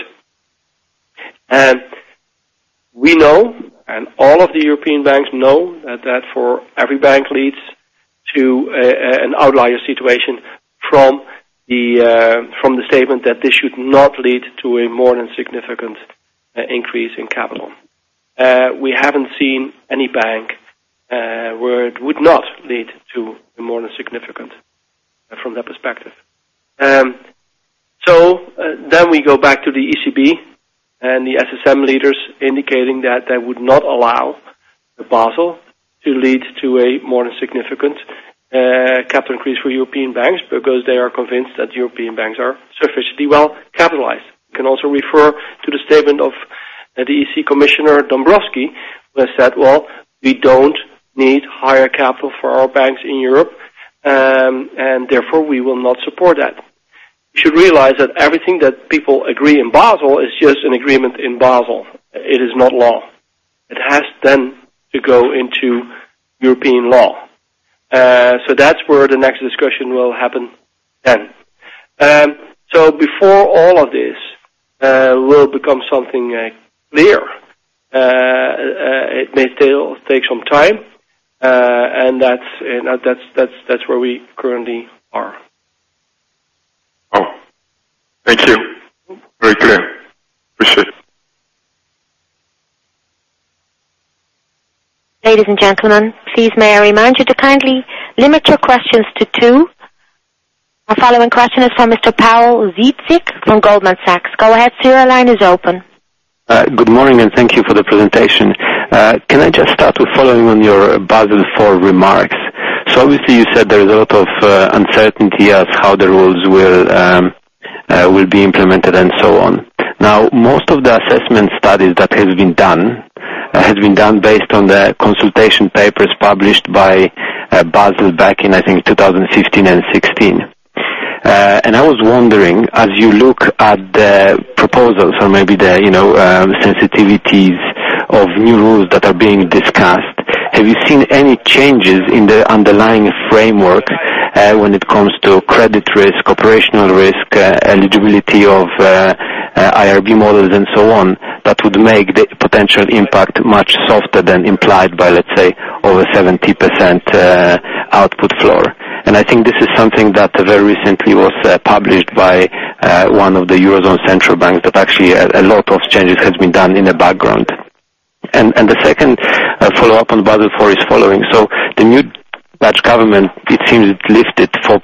We know, and all of the European banks know, that for every bank leads to an outlier situation from the statement that this should not lead to a more than significant increase in capital. We haven't seen any bank where it would not lead to a more than significant from that perspective. We go back to the ECB and the SSM leaders indicating that they would not allow the Basel to lead to a more than significant capital increase for European banks because they are convinced that European banks are sufficiently well capitalized. You can also refer to the statement of the EC Commissioner Dombrovskis, who has said, "Well, we don't need higher capital for our banks in Europe, and therefore we will not support that." You should realize that everything that people agree in Basel is just an agreement in Basel. It is not law. It has then to go into European law. That's where the next discussion will happen then. Before all of this will become something clear, it may still take some time, and that's where we currently are. Thank you. Very clear. Appreciate it. Ladies and gentlemen, please may I remind you to kindly limit your questions to two. Our following question is from Mr. Pawel Zytnik from Goldman Sachs. Go ahead, sir, your line is open. Good morning. Thank you for the presentation. Can I just start with following on your Basel IV remarks? Obviously you said there is a lot of uncertainty as to how the rules will be implemented and so on. Most of the assessment studies that have been done, have been done based on the consultation papers published by Basel back in, I think, 2015 and 2016. I was wondering, as you look at the proposals or maybe the sensitivities of new rules that are being discussed, have you seen any changes in the underlying framework when it comes to credit risk, operational risk, eligibility of IRB models and so on, that would make the potential impact much softer than implied by, let's say, over 70% output floor? I think this is something that very recently was published by one of the Eurozone central banks that actually a lot of changes have been done in the background. The second follow-up on Basel IV is following. The new Dutch government, it seems, lifted 4%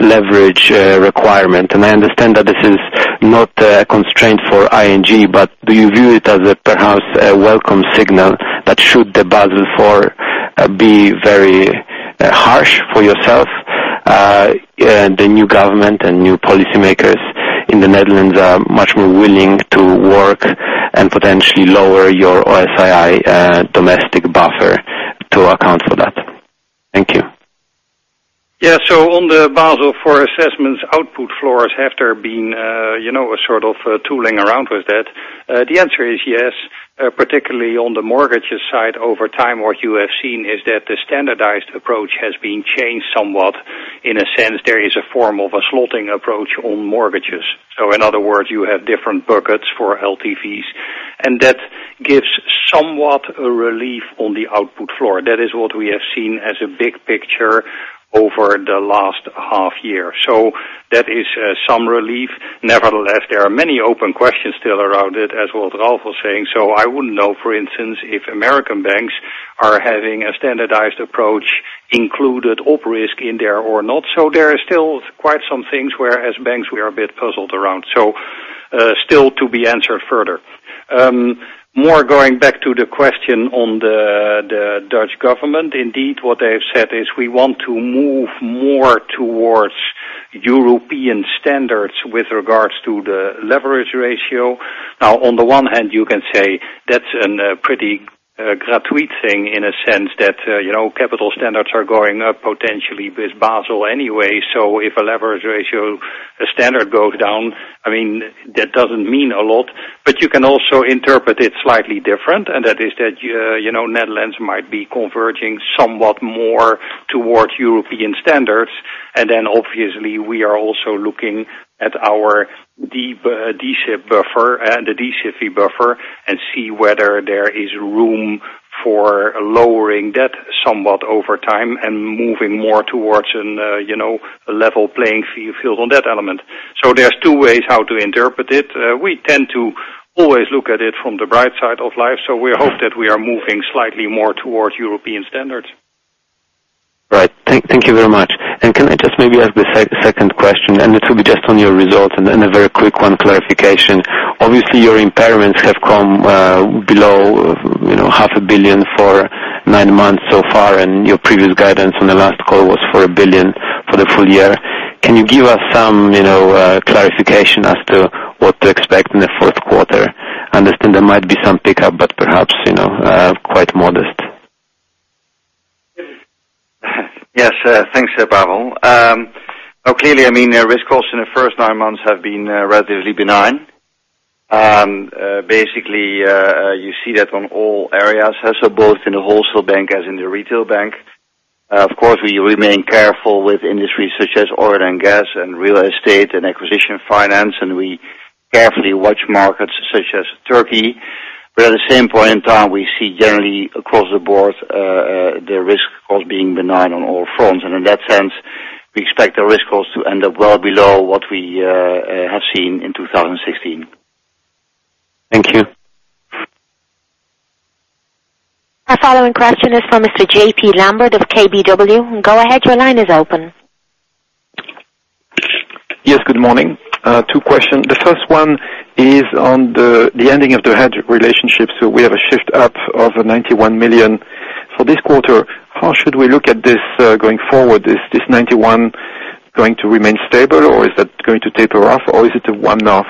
leverage requirement. I understand that this is not a constraint for ING, but do you view it as perhaps a welcome signal that should the Basel IV be very harsh for yourself? The new government and new policymakers in the Netherlands are much more willing to work and potentially lower your O-SII domestic buffer to account for that. Thank you. On the Basel IV assessments, output floors have there been a sort of tooling around with that? The answer is yes, particularly on the mortgages side. Over time, what you have seen is that the standardized approach has been changed somewhat. In a sense, there is a form of a slotting approach on mortgages. In other words, you have different buckets for LTVs, and that gives somewhat a relief on the output floor. That is what we have seen as a big picture over the last half year. That is some relief. Nevertheless, there are many open questions still around it, as Ralph was saying. I wouldn't know, for instance, if American banks are having a standardized approach included op risk in there or not. There are still quite some things where as banks, we are a bit puzzled around. Still to be answered further. More going back to the question on the Dutch government. Indeed, what they have said is we want to move more towards European standards with regards to the leverage ratio. On the one hand, you can say that's a pretty gratuitous thing in a sense that capital standards are going up potentially with Basel anyway. If a leverage ratio standard goes down, that doesn't mean a lot. You can also interpret it slightly different, and that is that Netherlands might be converging somewhat more towards European standards. Obviously we are also looking at our OSII buffer and see whether there is room for lowering that somewhat over time and moving more towards a level playing field on that element. There's two ways how to interpret it. We tend to always look at it from the bright side of life, we hope that we are moving slightly more towards European standards. Thank you very much. Can I just maybe ask the second question, and it will be just on your results and a very quick one clarification. Obviously, your impairments have come below half a billion EUR for nine months so far, and your previous guidance on the last call was for 1 billion for the full year. Can you give us some clarification as to what to expect in the fourth quarter? I understand there might be some pickup, but perhaps quite modest. Yes. Thanks, Pawel. Clearly, risk costs in the first nine months have been relatively benign. Basically, you see that on all areas, both in the wholesale bank as in the retail bank. Of course, we remain careful with industries such as oil and gas and real estate and acquisition finance, and we carefully watch markets such as Turkey. At the same point in time, we see generally across the board, the risk of being benign on all fronts. In that sense, we expect the risk costs to end up well below what we have seen in 2016. Thank you. Our following question is from Mr. J.P. Lambert of KBW. Go ahead. Your line is open. Yes, good morning. Two questions. The first one is on the ending of the hedge relationship. We have a shift up of 91 million. For this quarter, how should we look at this going forward? Is this 91 going to remain stable, or is that going to taper off, or is it a one-off?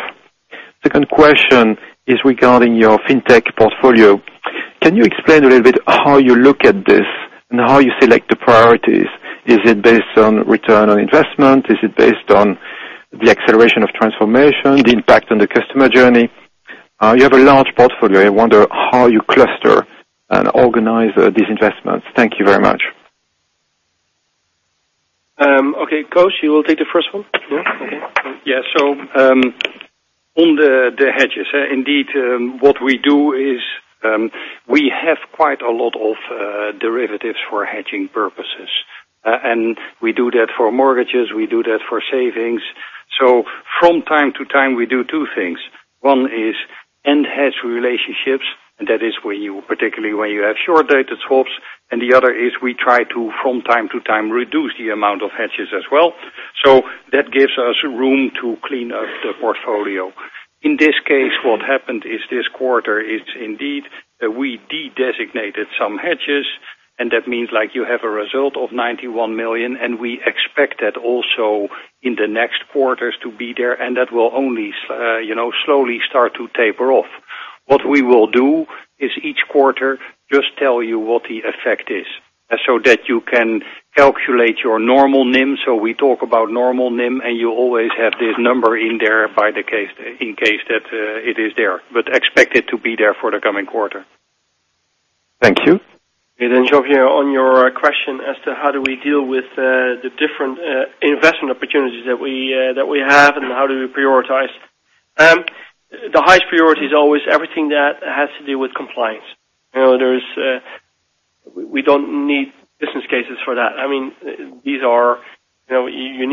Second question is regarding your fintech portfolio. Can you explain a little bit how you look at this and how you select the priorities? Is it based on return on investment? Is it based on the acceleration of transformation, the impact on the customer journey? You have a large portfolio. I wonder how you cluster and organize these investments. Thank you very much. Okay, Koos, you will take the first one? Sure. Okay. On the hedges, indeed, what we do is we have quite a lot of derivatives for hedging purposes. We do that for mortgages, we do that for savings. From time to time, we do two things. One is end hedge relationships, and that is particularly when you have short-dated swaps, and the other is we try to, from time to time, reduce the amount of hedges as well. That gives us room to clean up the portfolio. In this case, what happened is this quarter is indeed that we de-designated some hedges, and that means you have a result of 91 million, and we expect that also in the next quarters to be there, and that will only slowly start to taper off. What we will do is each quarter just tell you what the effect is so that you can calculate your normal NIM. We talk about normal NIM, and you always have this number in there in case it is there, but expect it to be there for the coming quarter. Thank you. Jean-Pierre, on your question as to how do we deal with the different investment opportunities that we have and how do we prioritize. The highest priority is always everything that has to do with compliance. We don't need business cases for that. You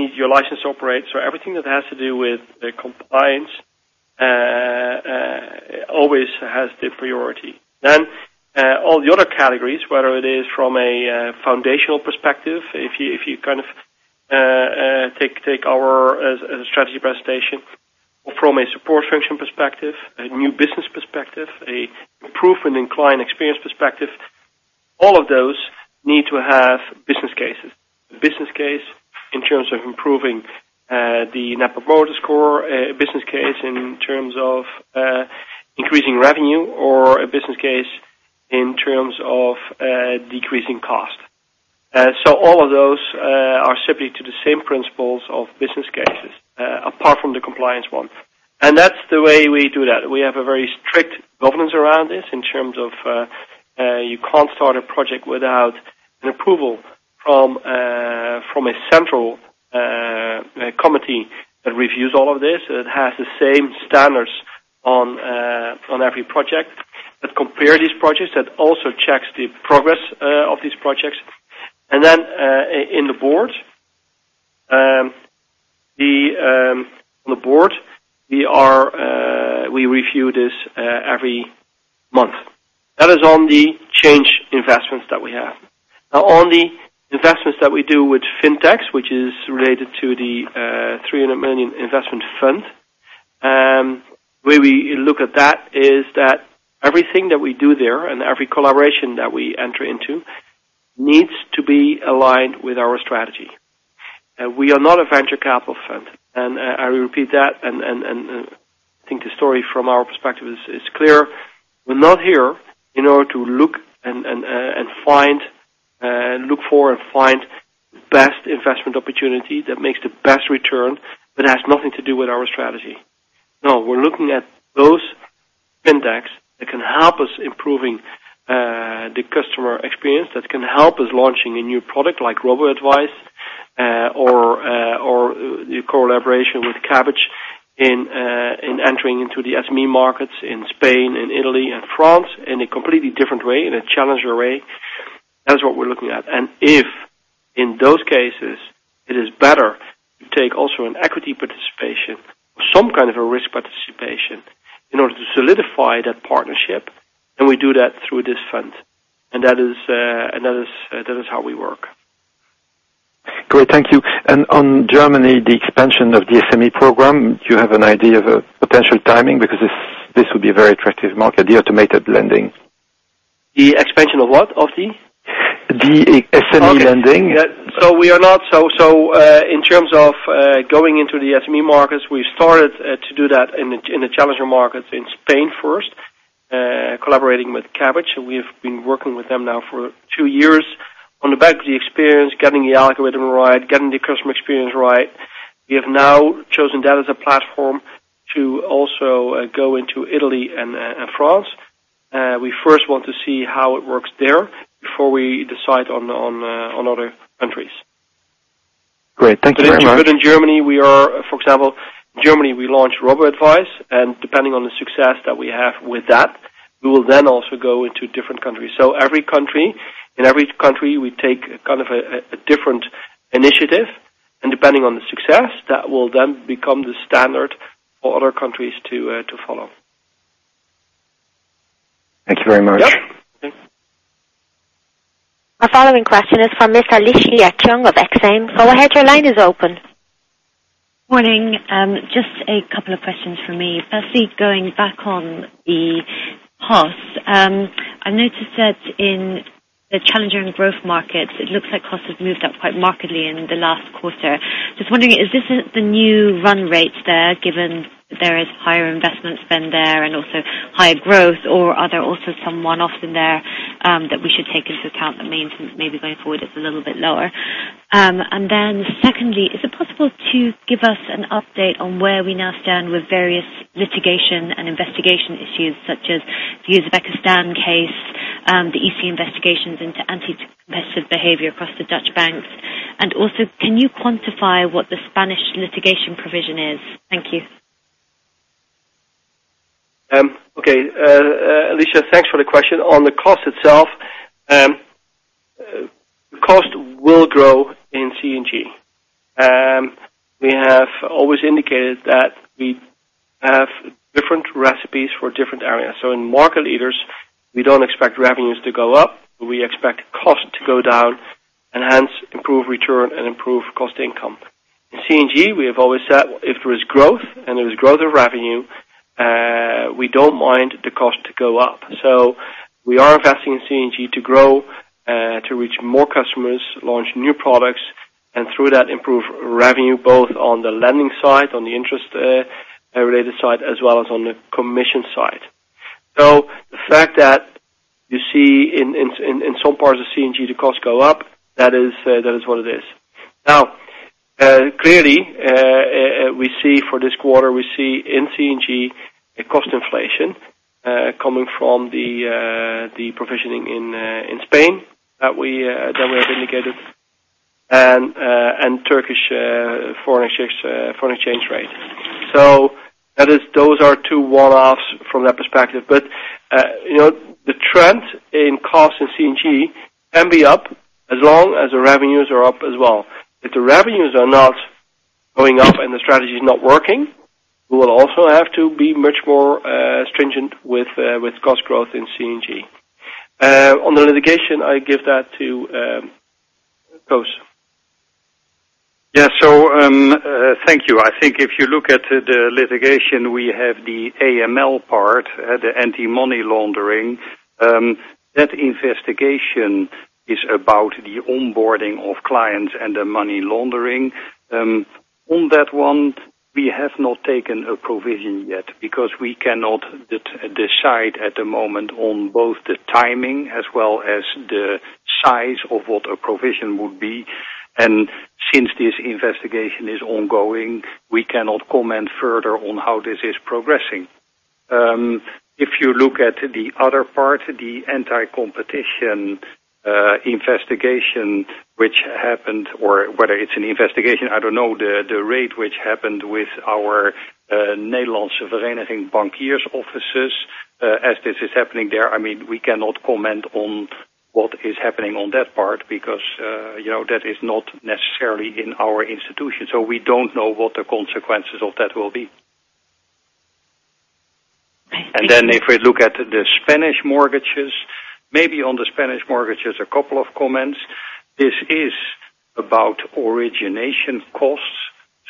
need your license to operate. Everything that has to do with compliance always has the priority. All the other categories, whether it is from a foundational perspective, if you take our strategy presentation, or from a support function perspective, a new business perspective, an improvement in client experience perspective, all of those need to have business cases. Business case in terms of improving the net promoter score, a business case in terms of increasing revenue, or a business case in terms of decreasing cost. All of those are subject to the same principles of business cases, apart from the compliance one. That's the way we do that. We have a very strict governance around this in terms of you can't start a project without an approval from a central committee that reviews all of this. It has the same standards on every project that compare these projects, that also checks the progress of these projects. In the board, we review this every month. That is on the change investments that we have. On the investments that we do with fintechs, which is related to the 300 million investment fund, the way we look at that is that everything that we do there and every collaboration that we enter into needs to be aligned with our strategy. We are not a venture capital fund, and I will repeat that, and I think the story from our perspective is clear. We're not here in order to look for and find the best investment opportunity that makes the best return that has nothing to do with our strategy. We're looking at those fintechs that can help us improving the customer experience, that can help us launching a new product like robo-advice or the collaboration with Kabbage in entering into the SME markets in Spain and Italy and France in a completely different way, in a challenger way. That is what we're looking at. If, in those cases, it is better to take also an equity participation or some kind of a risk participation in order to solidify that partnership, then we do that through this fund. That is how we work. Great. Thank you. On Germany, the expansion of the SME program, do you have an idea of a potential timing? Because this would be a very attractive market, the automated lending. The expansion of what? Of the- The SME lending. Okay. In terms of going into the SME markets, we started to do that in the challenger markets in Spain first, collaborating with Kabbage. We have been working with them now for two years. On the back of the experience, getting the algorithm right, getting the customer experience right, we have now chosen that as a platform to also go into Italy and France. We first want to see how it works there before we decide on other countries. Great. Thank you very much. In Germany, for example, we launched robo-advice, and depending on the success that we have with that, we will then also go into different countries. In every country, we take a different initiative, and depending on the success, that will then become the standard for other countries to follow. Thank you very much. Yep. Thanks. Our following question is from Miss Alicia Cheung of Exane. Go ahead, your line is open. Morning. Just a couple of questions from me. Firstly, going back on the costs. I noticed that in the Challengers & Growth Markets, it looks like costs have moved up quite markedly in the last quarter. Just wondering, is this the new run rate there given there is higher investment spend there and also higher growth, or are there also some one-offs in there that we should take into account that maintenance maybe going forward is a little bit lower? Secondly, is it possible to give us an update on where we now stand with various litigation and investigation issues such as the Uzbekistan case, the EC investigations into anti-competitive behavior across the Dutch banks? Can you quantify what the Spanish litigation provision is? Thank you. Okay. Alicia, thanks for the question. On the cost itself, the cost will grow in C&G. We have always indicated that we have different recipes for different areas. In market leaders, we don't expect revenues to go up. We expect cost to go down and hence improve return and improve cost income. In C&G, we have always said if there is growth and there is growth of revenue, we don't mind the cost to go up. We are investing in C&G to grow, to reach more customers, launch new products and through that improve revenue both on the lending side, on the interest-related side as well as on the commission side. The fact that you see in some parts of C&G the costs go up, that is what it is. Clearly, we see for this quarter, we see in C&G a cost inflation coming from the provisioning in Spain that we have indicated and Turkish foreign exchange rate. Those are 2 one-offs from that perspective. The trend in cost in C&G can be up as long as the revenues are up as well. If the revenues are not going up and the strategy is not working, we will also have to be much more stringent with cost growth in C&G. On the litigation, I give that to Koos. Thank you. I think if you look at the litigation, we have the AML part, the anti-money laundering. That investigation is about the onboarding of clients and the money laundering. On that one, we have not taken a provision yet because we cannot decide at the moment on both the timing as well as the size of what a provision would be. Since this investigation is ongoing, we cannot comment further on how this is progressing. If you look at the other part, the anti-competition investigation which happened, or whether it's an investigation, I don't know, the raid which happened with our Nederlandse Vereniging van Banken offices, as this is happening there, we cannot comment on what is happening on that part because that is not necessarily in our institution. We don't know what the consequences of that will be. Thank you. If we look at the Spanish mortgages, maybe on the Spanish mortgages, a couple of comments. This is about origination costs.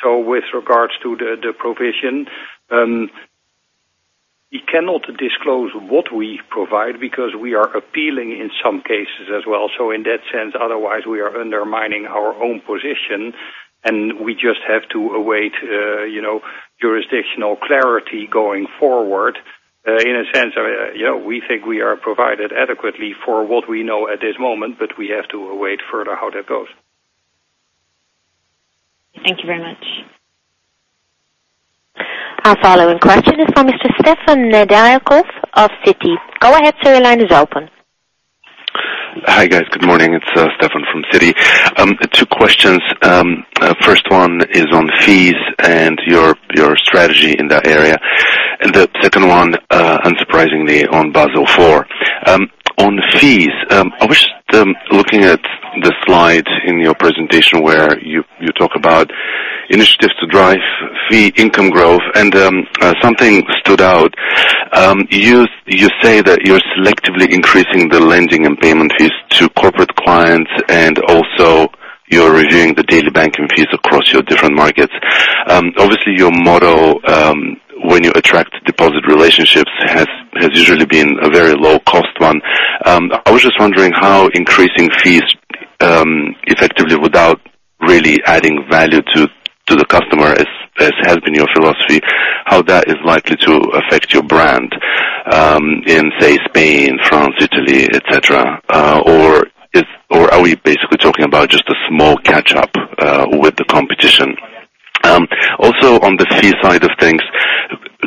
With regards to the provision, we cannot disclose what we provide because we are appealing in some cases as well. In that sense, otherwise, we are undermining our own position, and we just have to await jurisdictional clarity going forward. In a sense, we think we are provided adequately for what we know at this moment, but we have to await further how that goes. Thank you very much. Our following question is for Mr. Stefan Nedialkov of Citi. Go ahead, sir, your line is open. Hi, guys. Good morning. It's Stefan from Citi. Two questions. First one is on fees and your strategy in that area. The second one, unsurprisingly, on Basel IV. On fees, I was looking at the slide in your presentation where you talk about initiatives to drive fee income growth, and something stood out. You say that you're selectively increasing the lending and payment fees to corporate clients, and also you're reviewing the daily banking fees across your different markets. Obviously, your model, when you attract deposit relationships, has usually been a very low-cost one. I was just wondering how increasing fees effectively without really adding value to the customer, as has been your philosophy, how that is likely to affect your brand in, say, Spain, France, Italy, et cetera, or are we basically talking about just a small catch up with the competition? On the fee side of things,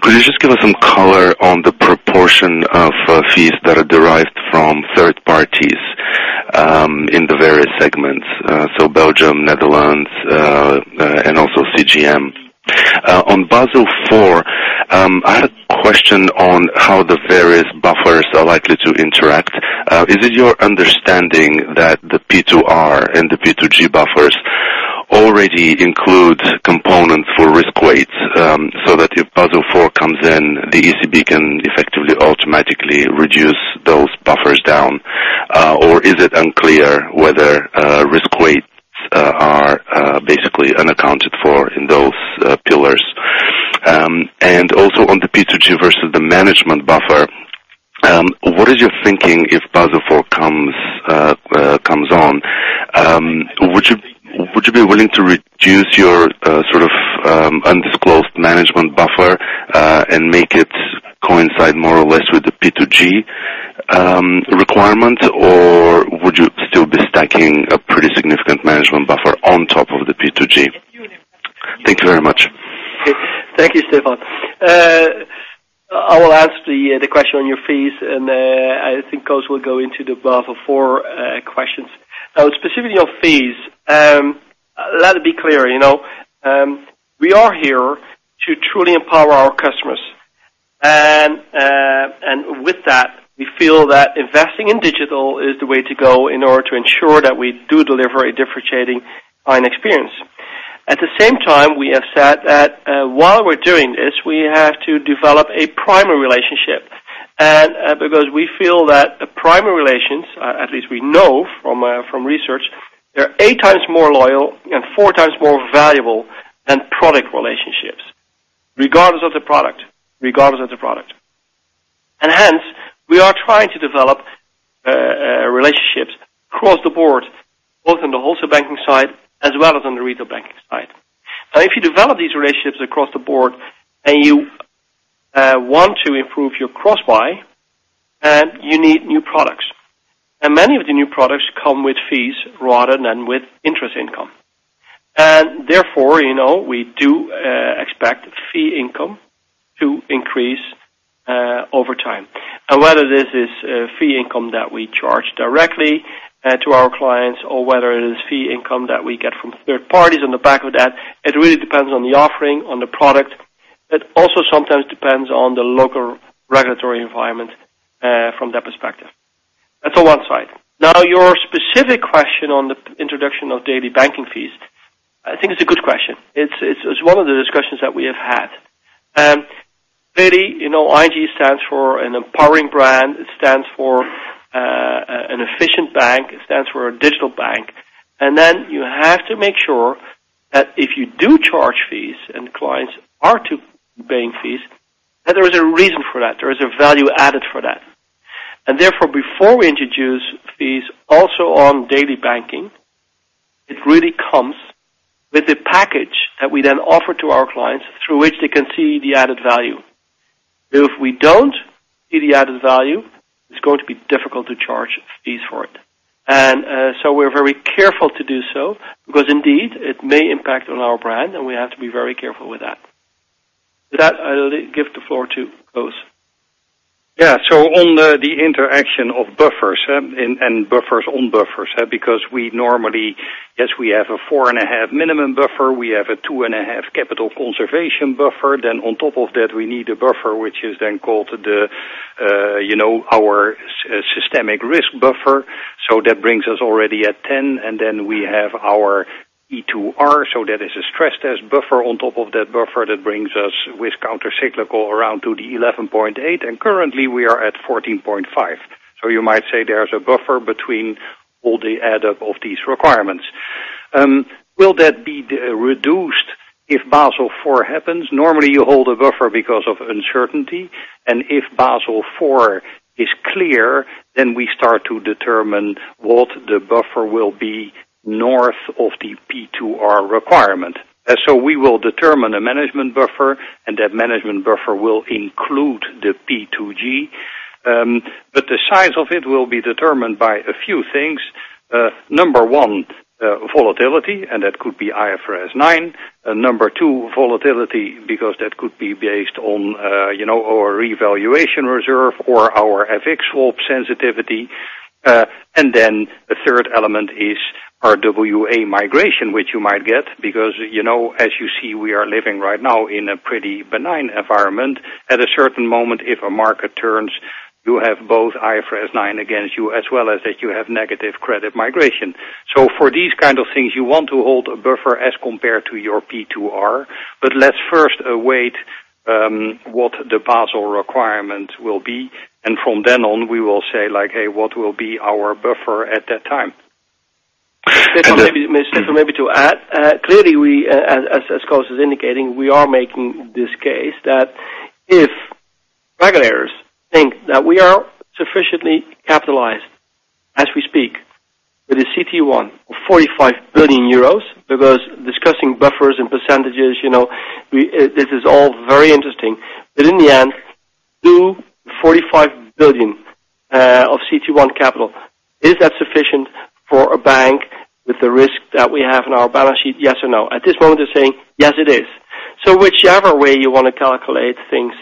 could you just give us some color on the proportion of fees that are derived from third parties in the various segments? So Belgium, Netherlands, and also C&GM. On Basel IV, I had a question on how the various buffers are likely to interact. Is it your understanding that the P2R and the P2G buffers already include components for risk weights, so that if Basel IV comes in, the ECB can effectively automatically reduce those buffers down? Or is it unclear whether risk weights are basically unaccounted for in those pillars? On the P2G versus the management buffer, what is your thinking if Basel IV comes on? Would you be willing to reduce your Buffer and make it coincide more or less with the P2G requirement, or would you still be stacking a pretty significant management buffer on top of the P2G? Thank you very much. Thank you, Stefan. I will answer the question on your fees, and I think Koos will go into the buffer four questions. Specifically on fees, let it be clear, we are here to truly empower our customers. We feel that investing in digital is the way to go in order to ensure that we do deliver a differentiating client experience. At the same time, we have said that while we're doing this, we have to develop a primary relationship. Because we feel that the primary relations, at least we know from research, they're eight times more loyal and four times more valuable than product relationships, regardless of the product. Hence, we are trying to develop relationships across the board, both on the wholesale banking side as well as on the retail banking side. If you develop these relationships across the board and you want to improve your cross-buy, you need new products. Many of the new products come with fees rather than with interest income. We do expect fee income to increase over time. Whether this is fee income that we charge directly to our clients or whether it is fee income that we get from third parties on the back of that, it really depends on the offering, on the product. It also sometimes depends on the local regulatory environment from that perspective. That's on one side. Your specific question on the introduction of daily banking fees, I think it's a good question. It's one of the discussions that we have had. ING stands for an empowering brand, it stands for an efficient bank, it stands for a digital bank. You have to make sure that if you do charge fees and clients are to paying fees, that there is a reason for that, there is a value added for that. Before we introduce fees also on daily banking, it really comes with a package that we then offer to our clients through which they can see the added value. If we don't see the added value, it's going to be difficult to charge fees for it. We're very careful to do so because indeed it may impact on our brand and we have to be very careful with that. With that, I'll give the floor to Koos. On the interaction of buffers and buffers on buffers, because we normally, we have a 4.5 minimum buffer, we have a 2.5 capital conservation buffer. On top of that, we need a buffer which is then called our systemic risk buffer. That brings us already at 10, and then we have our P2R, that is a stress test buffer on top of that buffer that brings us with countercyclical around to the 11.8, and currently we are at 14.5. You might say there is a buffer between all the add up of these requirements. Will that be reduced if Basel IV happens? You hold a buffer because of uncertainty, and if Basel IV is clear, we start to determine what the buffer will be north of the P2R requirement. We will determine a management buffer, that management buffer will include the P2G. The size of it will be determined by a few things. Number 1, volatility, that could be IFRS 9. Number 2, volatility because that could be based on our revaluation reserve or our FX swap sensitivity. The third element is our RWA migration, which you might get because, as you see, we are living right now in a pretty benign environment. At a certain moment, if a market turns, you have both IFRS 9 against you, as well as that you have negative credit migration. For these kind of things, you want to hold a buffer as compared to your P2R. Let's first await what the Basel requirement will be, we will say, "Hey, what will be our buffer at that time? Maybe to add, clearly we, as Koos is indicating, we are making this case that if regulators think that we are sufficiently capitalized as we speak with a CET1 of 45 billion euros, because discussing buffers and percentages, this is all very interesting. But in the end, do 45 billion of CET1 capital, is that sufficient for a bank with the risk that we have in our balance sheet? Yes or no? At this moment, they are saying, "Yes, it is." Whichever way you want to calculate things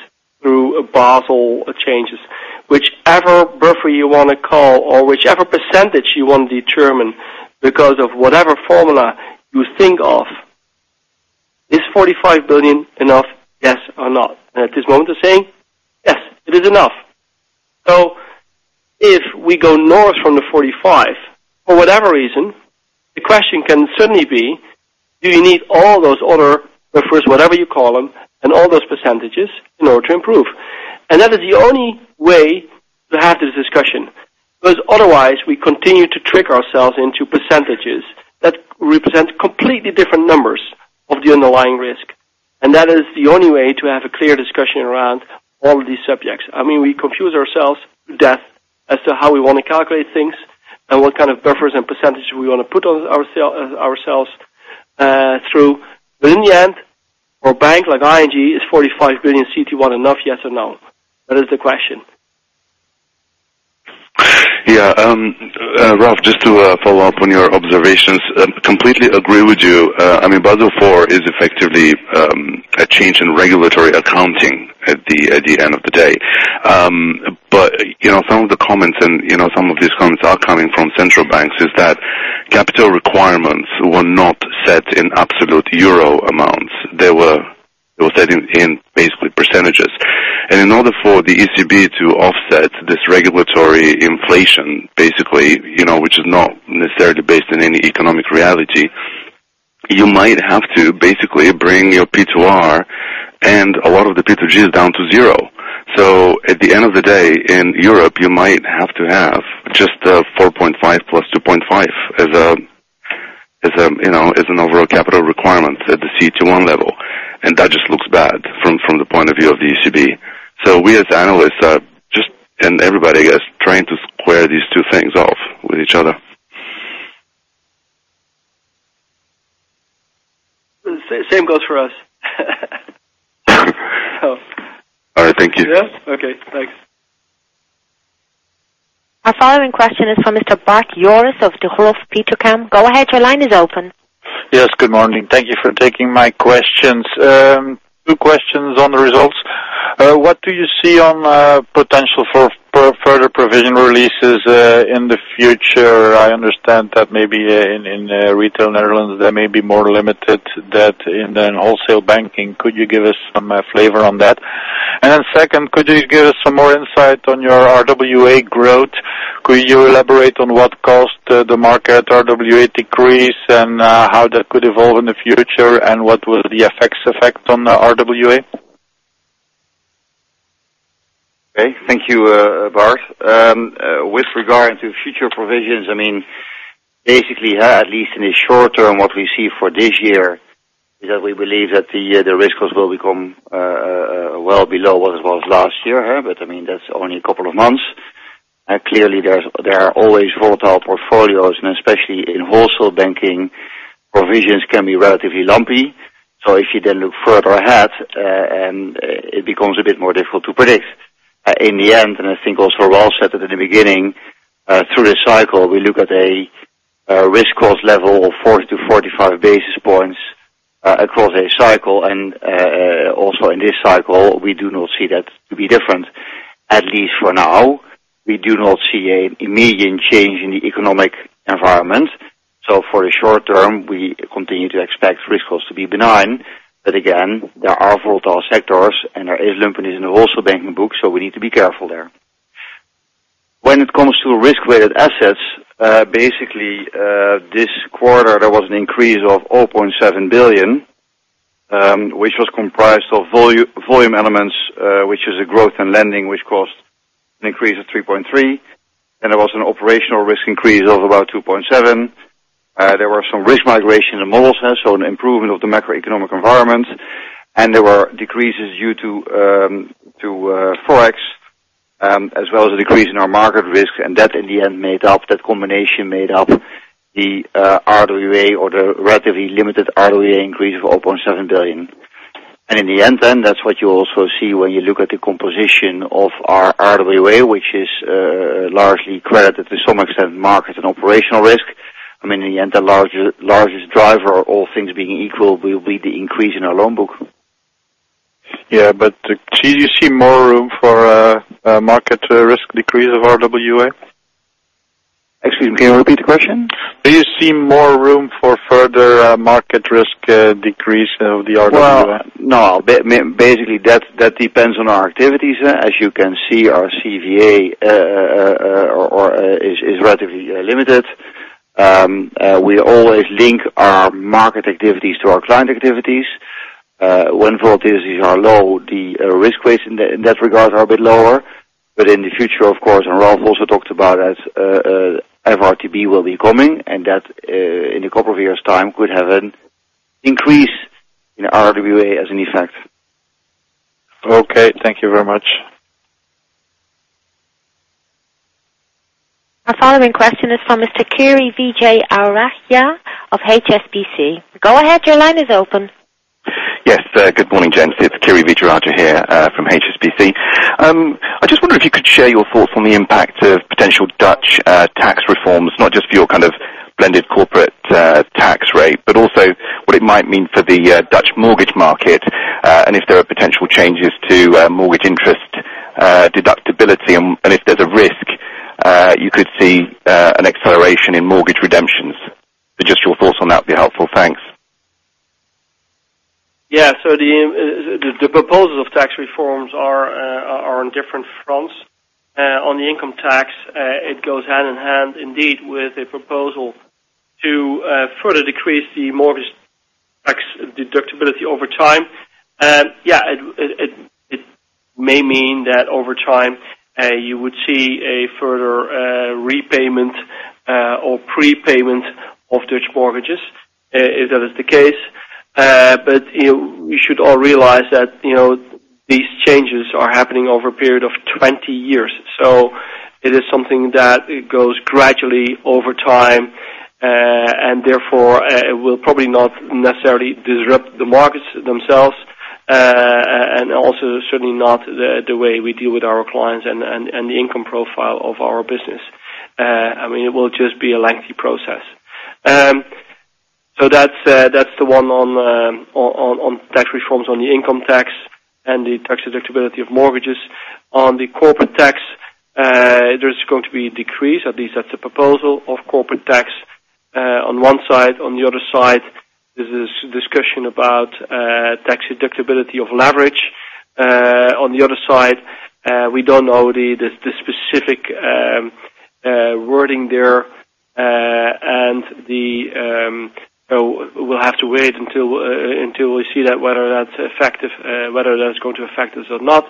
through Basel changes, whichever buffer you want to call or whichever percentage you want to determine because of whatever formula you think of, is 45 billion enough, yes or not? At this moment, they are saying, "Yes, it is enough." If we go north from the 45 for whatever reason, the question can certainly be, do you need all those other buffers, whatever you call them, and all those percentages in order to improve? That is the only way to have this discussion, because otherwise we continue to trick ourselves into percentages that represent completely different numbers of the underlying risk. That is the only way to have a clear discussion around all these subjects. We confuse ourselves to death as to how we want to calculate things and what kind of buffers and percentages we want to put on ourselves through. But in the end, for a bank like ING, is 45 billion CET1 enough, yes or no? That is the question. Yeah. Ralph, just to follow up on your observations. Completely agree with you. Basel IV is effectively a change in regulatory accounting at the end of the day. But some of these comments are coming from central banks is that capital requirements were not set in absolute EUR amounts. They were set in basically percentages. In order for the ECB to offset this regulatory inflation, basically, which is not necessarily based on any economic reality, you might have to basically bring your P2R and a lot of the P2Gs down to zero. At the end of the day, in Europe, you might have to have just a 4.5 plus 2.5 as an overall capital requirement at the CET1 level. That just looks bad from the point of view of the ECB. We as analysts, and everybody, I guess, trying to square these two things off with each other. The same goes for us. All right. Thank you. Yeah. Okay, thanks. Our following question is from Mr. Bart Jooris of Degroof Petercam. Go ahead, your line is open. Yes, good morning. Thank you for taking my questions. Two questions on the results. What do you see on potential for further provision releases in the future? I understand that maybe in Retail Netherlands, they may be more limited than wholesale banking. Could you give us some flavor on that? Second, could you give us some more insight on your RWA growth? Could you elaborate on what caused the market RWA decrease and how that could evolve in the future, and what will the effects affect on the RWA? Okay, thank you, Bart. With regard to future provisions, basically, at least in the short term, what we see for this year is that we believe that the risk costs will become well below what it was last year. That's only a couple of months. Clearly, there are always volatile portfolios, and especially in wholesale banking, provisions can be relatively lumpy. If you look further ahead, it becomes a bit more difficult to predict. In the end, and I think also Ralph said it at the beginning, through the cycle, we look at a risk cost level of 40 to 45 basis points across a cycle. Also in this cycle, we do not see that to be different. At least for now, we do not see an immediate change in the economic environment. For the short term, we continue to expect risk costs to be benign. Again, there are volatile sectors, and there is lumpiness in the wholesale banking books, we need to be careful there. When it comes to risk-weighted assets, basically, this quarter, there was an increase of 0.7 billion, which was comprised of volume elements, which is a growth in lending, which caused an increase of 3.3 billion. There was an operational risk increase of about 2.7 billion. There were some risk migration in the models, an improvement of the macroeconomic environment, and there were decreases due to FX, as well as a decrease in our market risk. That combination made up the RWA or the relatively limited RWA increase of 0.7 billion. In the end, that's what you also see when you look at the composition of our RWA, which is largely credit, to some extent, market and operational risk. In the end, the largest driver, all things being equal, will be the increase in our loan book. Yeah, do you see more room for a market risk decrease of RWA? Excuse me, can you repeat the question? Do you see more room for further market risk decrease of the RWA? Well, no. Basically, that depends on our activities. As you can see, our CVA is relatively limited. We always link our market activities to our client activities. When volatilities are low, the risk rates in that regard are a bit lower. In the future, of course, and Ralph also talked about that, FRTB will be coming, and that in a couple of years' time, could have an increase in RWA as an effect. Okay. Thank you very much. Our following question is from Mr. Kiri Vijayarajah of HSBC. Go ahead, your line is open. Yes. Good morning, gents. It's Kiri Vijayarajah here from HSBC. I just wonder if you could share your thoughts on the impact of potential Dutch tax reforms, not just for your blended corporate tax rate, but also what it might mean for the Dutch mortgage market. If there are potential changes to mortgage interest deductibility, and if there's a risk, you could see an acceleration in mortgage redemptions. Just your thoughts on that would be helpful. Thanks. The proposals of tax reforms are on different fronts. On the income tax, it goes hand in hand, indeed, with a proposal to further decrease the mortgage tax deductibility over time. It may mean that over time, you would see a further prepayment of Dutch mortgages, if that is the case. We should all realize that these changes are happening over a period of 20 years. It is something that goes gradually over time, and therefore, it will probably not necessarily disrupt the markets themselves. Also certainly not the way we deal with our clients and the income profile of our business. It will just be a lengthy process. That's the one on tax reforms on the income tax and the tax deductibility of mortgages. On the corporate tax, there's going to be a decrease, at least at the proposal of corporate tax on one side. On the other side, there's this discussion about tax deductibility of leverage. On the other side, we don't know the specific wording there. We'll have to wait until we see whether that's going to affect us or not.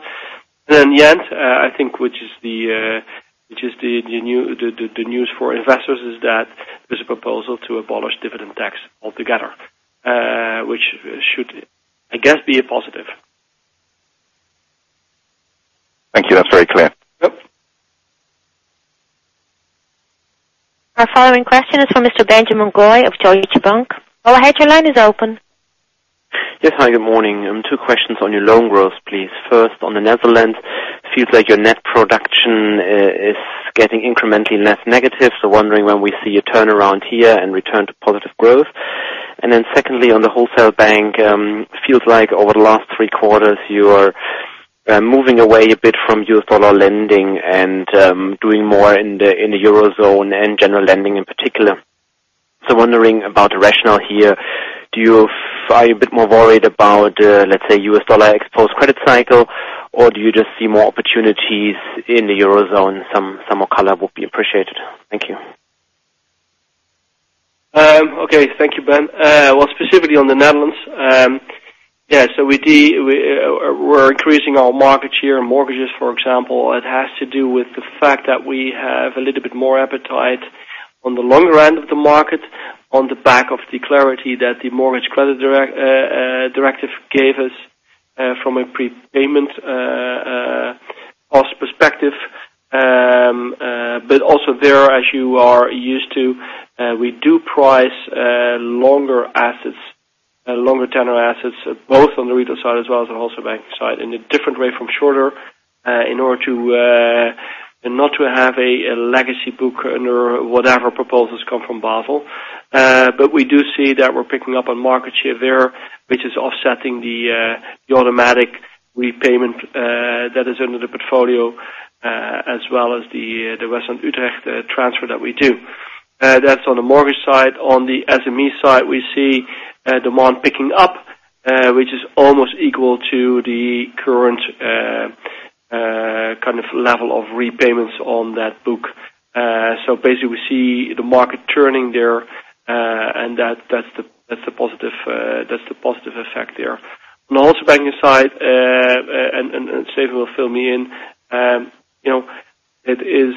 Yes, I think, which is the news for investors is that there's a proposal to abolish dividend tax altogether, which should, I guess, be a positive. Thank you. That's very clear. Yep. Our following question is from Mr. Benjamin Goy of Deutsche Bank. Go ahead, your line is open. Yes. Hi, good morning. Two questions on your loan growth, please. First, on the Netherlands, feels like your net production is getting incrementally less negative, wondering when we see a turnaround here and return to positive growth. Secondly, on the wholesale bank, feels like over the last three quarters, you are moving away a bit from U.S. dollar lending and doing more in the Eurozone and general lending in particular. Wondering about the rationale here. Are you a bit more worried about, let's say, U.S. dollar exposed credit cycle, or do you just see more opportunities in the Eurozone? Some more color will be appreciated. Thank you. Thank you, Ben. Specifically on the Netherlands. We're increasing our market share in mortgages, for example. It has to do with the fact that we have a little bit more appetite on the long run of the market on the back of the clarity that the mortgage credit directive gave us, from a prepayment cost perspective. Also there, as you are used to, we do price longer tenor assets, both on the retail side as well as the wholesale bank side in a different way from shorter, in order to not to have a legacy book or whatever proposals come from Basel. We do see that we're picking up on market share there, which is offsetting the automatic repayment that is under the portfolio, as well as the WestlandUtrecht transfer that we do. That's on the mortgage side. On the SME side, we see demand picking up, which is almost equal to the current level of repayments on that book. We see the market turning there, and that's the positive effect there. On the wholesale banking side, Steven will fill me in. It is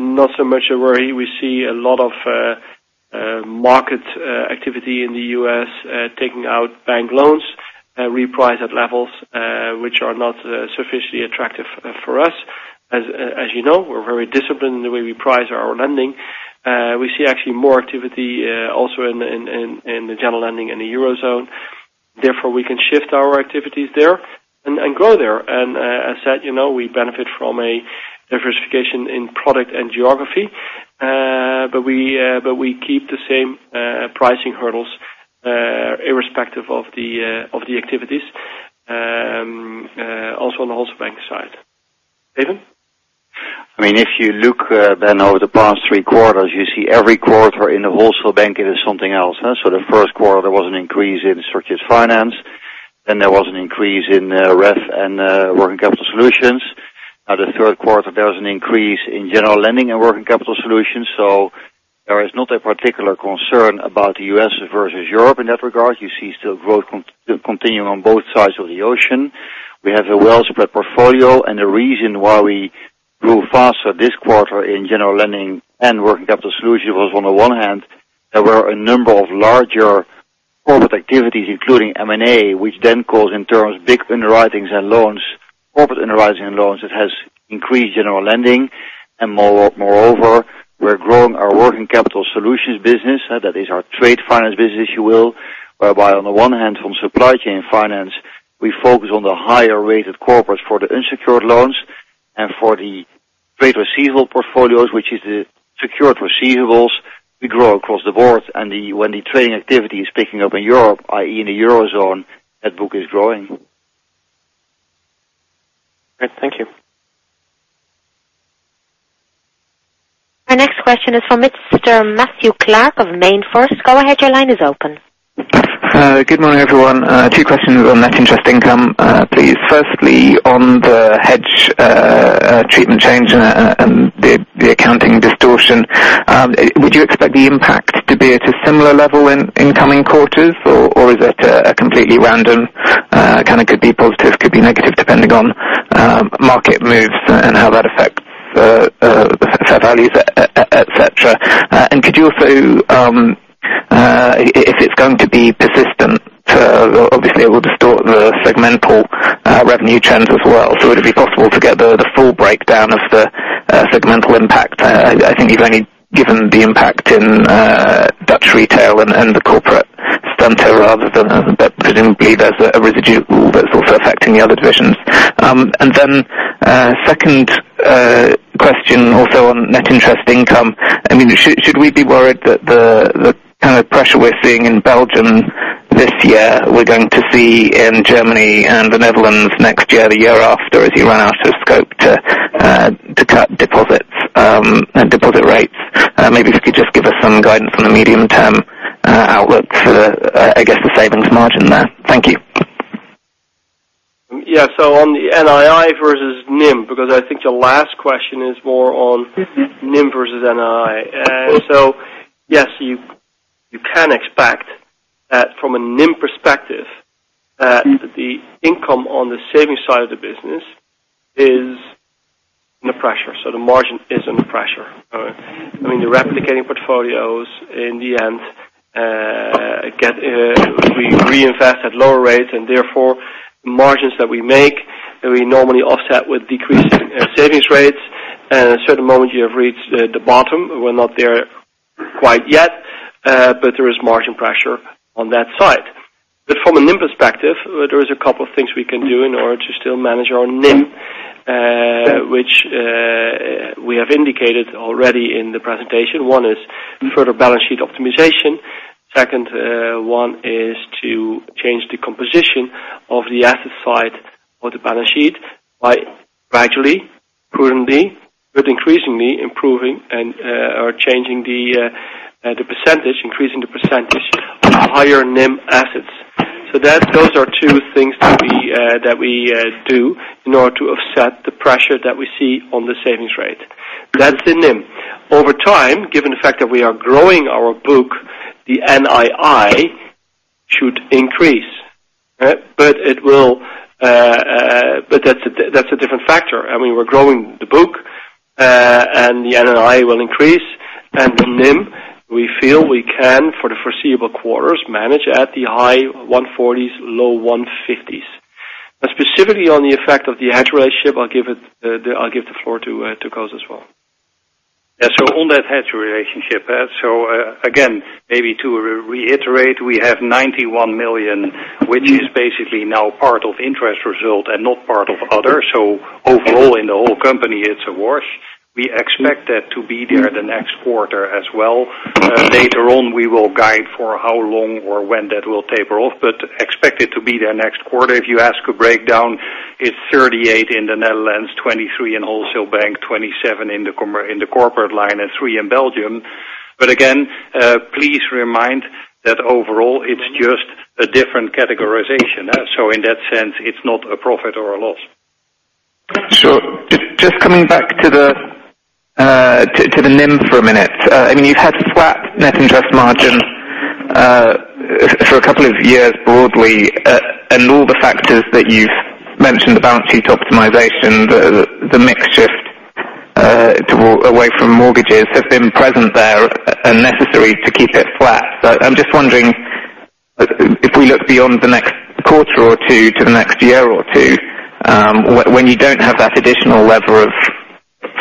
not so much a worry. We see a lot of market activity in the U.S. taking out bank loans, reprice at levels, which are not sufficiently attractive for us. As you know, we're very disciplined in the way we price our lending. We see actually more activity also in the general lending in the Eurozone. Therefore, we can shift our activities there and grow there. As said, we benefit from a diversification in product and geography. We keep the same pricing hurdles irrespective of the activities also on the wholesale bank side. Steven? If you look, Ben, over the past 3 quarters, you see every quarter in the wholesale bank it is something else. The 1st quarter was an increase in structured finance, there was an increase in REF and working capital solutions. The 3rd quarter, there was an increase in general lending and working capital solutions. There is not a particular concern about the U.S. versus Europe in that regard. You see still growth continuing on both sides of the ocean. We have a well spread portfolio, the reason why we grew faster this quarter in general lending and working capital solutions was on the one hand, there were a number of larger corporate activities, including M&A, which then calls in terms big underwritings and loans, corporate underwriting and loans that has increased general lending. Moreover, we're growing our working capital solutions business. That is our trade finance business, if you will, whereby on the one hand, from supply chain finance, we focus on the higher rated corporates for the unsecured loans and for the trade receivable portfolios, which is the secured receivables we grow across the board. When the trading activity is picking up in Europe, i.e., in the Eurozone, that book is growing. Great. Thank you. Our next question is from Mr. Matthew Clark of MainFirst. Go ahead, your line is open. Good morning, everyone. Two questions on net interest income, please. Firstly, on the hedge treatment change and the accounting distortion. Would you expect the impact to be at a similar level in incoming quarters, or is it a completely random, kind of could be positive, could be negative, depending on market moves and how that affects the fair values, et cetera? If it's going to be persistent, obviously it will distort the segmental revenue trend as well. Would it be possible to get the full breakdown of the segmental impact? I think you've only given the impact in Retail Netherlands and the Corporate Center rather than, but presumably there's a residue that's also affecting the other divisions. Then, second question also on net interest income. Should we be worried that the kind of pressure we're seeing in Belgium this year, we're going to see in Germany and the Netherlands next year, the year after, as you run out of scope to cut deposit rates? Maybe if you could just give us some guidance on the medium term outlook for the savings margin there. Thank you. On the NII versus NIM, because I think the last question is more on NIM versus NII. Yes, you can expect that from a NIM perspective, that the income on the savings side of the business is under pressure. The margin is under pressure. The replicating portfolios in the end, get reinvested at lower rates, and therefore, margins that we make, that we normally offset with decreasing savings rates. At a certain moment, you have reached the bottom. We're not there quite yet. There is margin pressure on that side. From a NIM perspective, there is a couple of things we can do in order to still manage our NIM, which we have indicated already in the presentation. One is further balance sheet optimization. Second one is to change the composition of the asset side of the balance sheet by gradually, prudently, but increasingly improving or changing the percentage, increasing the percentage of higher NIM assets. Those are 2 things that we do in order to offset the pressure that we see on the savings rate. That's the NIM. Over time, given the fact that we are growing our book, the NII should increase. That's a different factor. We're growing the book, the NII will increase. The NIM, we feel we can, for the foreseeable quarters, manage at the high 140s, low 150s. Specifically on the effect of the hedge relationship, I'll give the floor to Koos as well. On that hedge relationship. Again, maybe to reiterate, we have 91 million, which is basically now part of interest result and not part of other. Overall, in the whole company, it's a wash. We expect that to be there the next quarter as well. Later on, we will guide for how long or when that will taper off, but expect it to be there next quarter. If you ask a breakdown, it's 38 in the Netherlands, 23 in Wholesale Bank, 27 in the corporate line, and 3 in Belgium. Again, please remind that overall it's just a different categorization. In that sense, it's not a profit or a loss. Sure. Just coming back to the NIM for a minute. You've had flat net interest margin for a couple of years broadly. All the factors that you've mentioned, the balance sheet optimization, the mix shift away from mortgages, have been present there and necessary to keep it flat. I'm just wondering, if we look beyond the next quarter or 2 to the next year or 2, when you don't have that additional lever of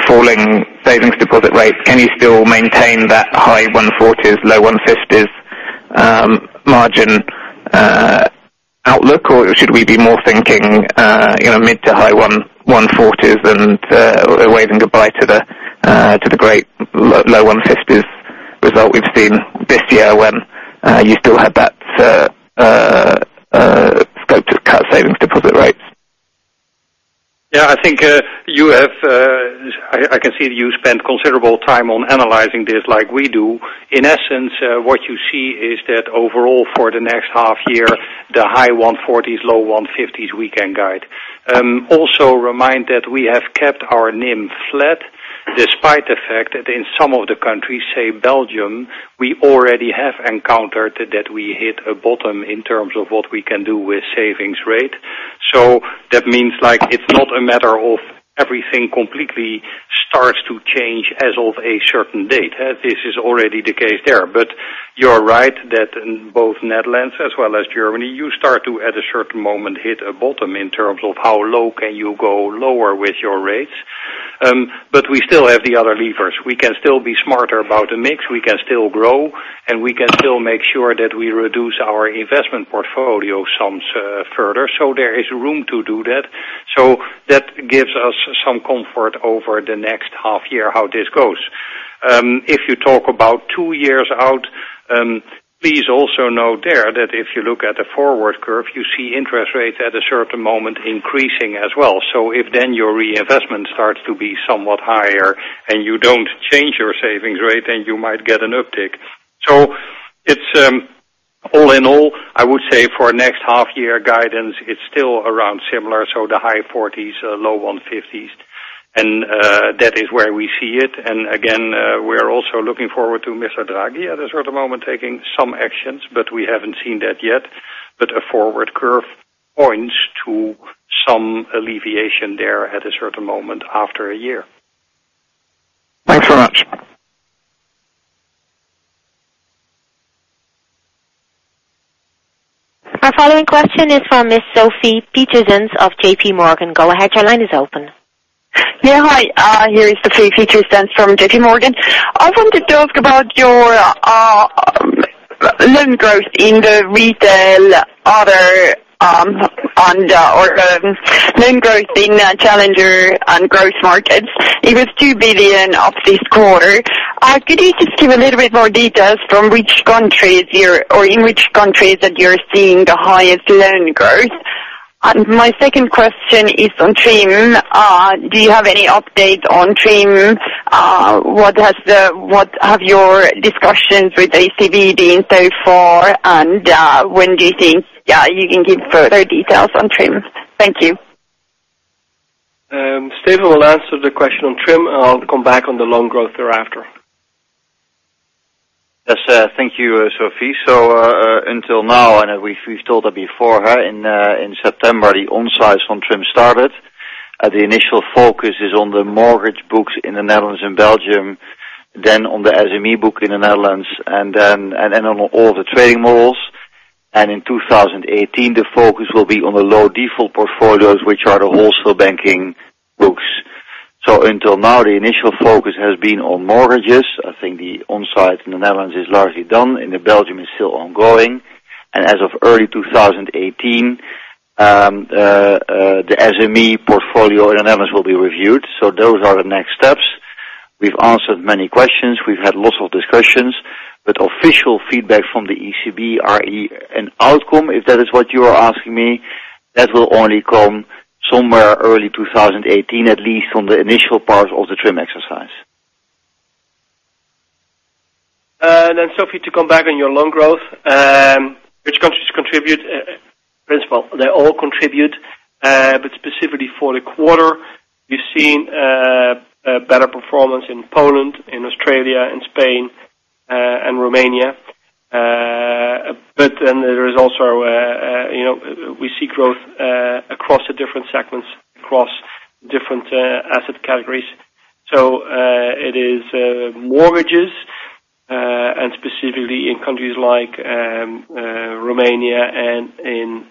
falling savings deposit rates, can you still maintain that high 140s, low 150s margin outlook? Or should we be more thinking mid to high 140s and waving goodbye to the great low 150s result we've seen this year when you still had that scope to cut savings deposit rates? I can see that you spent considerable time on analyzing this like we do. In essence, what you see is that overall for the next half year, the high EUR 140s, low EUR 150s we can guide. Also remind that we have kept our NIM flat despite the fact that in some of the countries, say Belgium, we already have encountered that we hit a bottom in terms of what we can do with savings rate. That means it's not a matter of everything completely starts to change as of a certain date. This is already the case there. You're right that in both Netherlands as well as Germany, you start to, at a certain moment, hit a bottom in terms of how low can you go lower with your rates. We still have the other levers. We can still be smarter about the mix, we can still grow, and we can still make sure that we reduce our investment portfolio some further. There is room to do that. That gives us some comfort over the next half year how this goes. If you talk about 2 years out, please also note there that if you look at the forward curve, you see interest rates at a certain moment increasing as well. If then your reinvestment starts to be somewhat higher and you don't change your savings rate, then you might get an uptick. All in all, I would say for next half year guidance, it's still around similar. The high EUR 140s, low EUR 150s, and that is where we see it. Again, we're also looking forward to Mr. Draghi at a certain moment taking some actions, we haven't seen that yet. A forward curve points to some alleviation there at a certain moment after 1 year. Thanks very much. Our following question is from Miss Sofie Peterzens of J.P. Morgan. Go ahead, your line is open. Hi, here is Sofie Peterzens from J.P. Morgan. I want to talk about your loan growth in the Retail Other, and your loan growth in Challenger and Growth Markets. It was 2 billion this quarter. Could you just give a little bit more details in which countries that you're seeing the highest loan growth? My second question is on TRIM. Do you have any update on TRIM? What have your discussions with the ECB been so far, and when do you think you can give further details on TRIM? Thank you. Steven will answer the question on TRIM, I'll come back on the loan growth thereafter. Yes. Thank you, Sofie. Until now, we've told that before, in September, the on-site from TRIM started. The initial focus is on the mortgage books in the Netherlands and Belgium, then on the SME book in the Netherlands, on all the trading models. In 2018, the focus will be on the low default portfolios, which are the wholesale banking books. Until now, the initial focus has been on mortgages. I think the on-site in the Netherlands is largely done, in Belgium is still ongoing. As of early 2018, the SME portfolio in the Netherlands will be reviewed. Those are the next steps. We've answered many questions. We've had lots of discussions. Official feedback from the ECB, re: an outcome, if that is what you are asking me, that will only come somewhere early 2018, at least on the initial part of the TRIM exercise. Sofie, to come back on your loan growth, which countries contribute. First of all, they all contribute. Specifically for the quarter, we've seen a better performance in Poland, in Australia and Spain, and Romania. We see growth across the different segments, across different asset categories. It is mortgages, and specifically in countries like Romania and in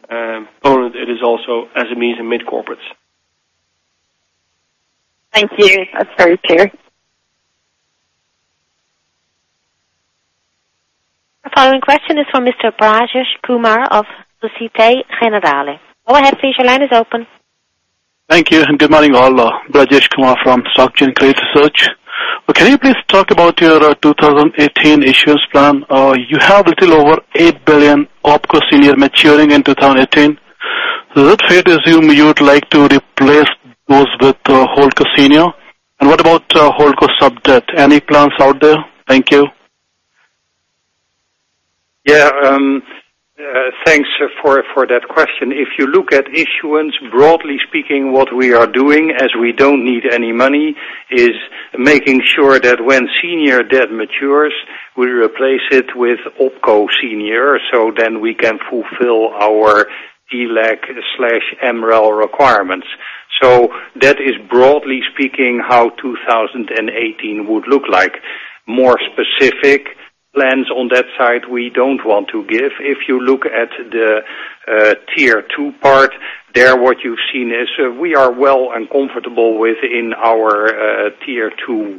Poland, it is also SMEs and mid corporates. Thank you. That's very clear. Our following question is from Mr. Brajesh Kumar of Société Générale. Go ahead please, your line is open. Thank you, good morning, all. Brajesh Kumar from Societe Generale Cross Asset Research. Can you please talk about your 2018 issuance plan? You have a little over 8 billion opco senior maturing in 2018. Is it fair to assume you would like to replace those with holdco senior? What about holdco sub-debt? Any plans out there? Thank you. Thanks for that question. If you look at issuance, broadly speaking, what we are doing, as we don't need any money, is making sure that when senior debt matures, we replace it with opco senior, then we can fulfill our TLAC/MREL requirements. That is broadly speaking, how 2018 would look like. More specific plans on that side, we don't want to give. If you look at the Tier 2 part, there what you've seen is we are well and comfortable within our Tier 2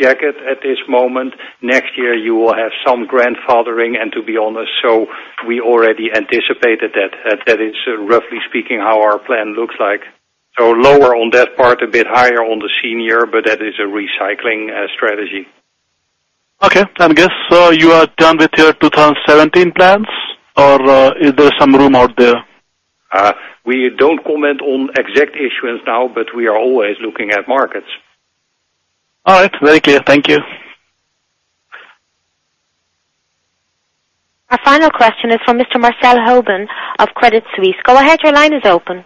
jacket at this moment. Next year, you will have some grandfathering, and to be honest, so we already anticipated that. That is, roughly speaking, how our plan looks like. Lower on that part, a bit higher on the senior, but that is a recycling strategy. Okay. I guess you are done with your 2017 plans, or is there some room out there? We don't comment on exact issuance now, we are always looking at markets. All right. Very clear. Thank you. Our final question is from Mr. Marcell Houben of Credit Suisse. Go ahead, your line is open.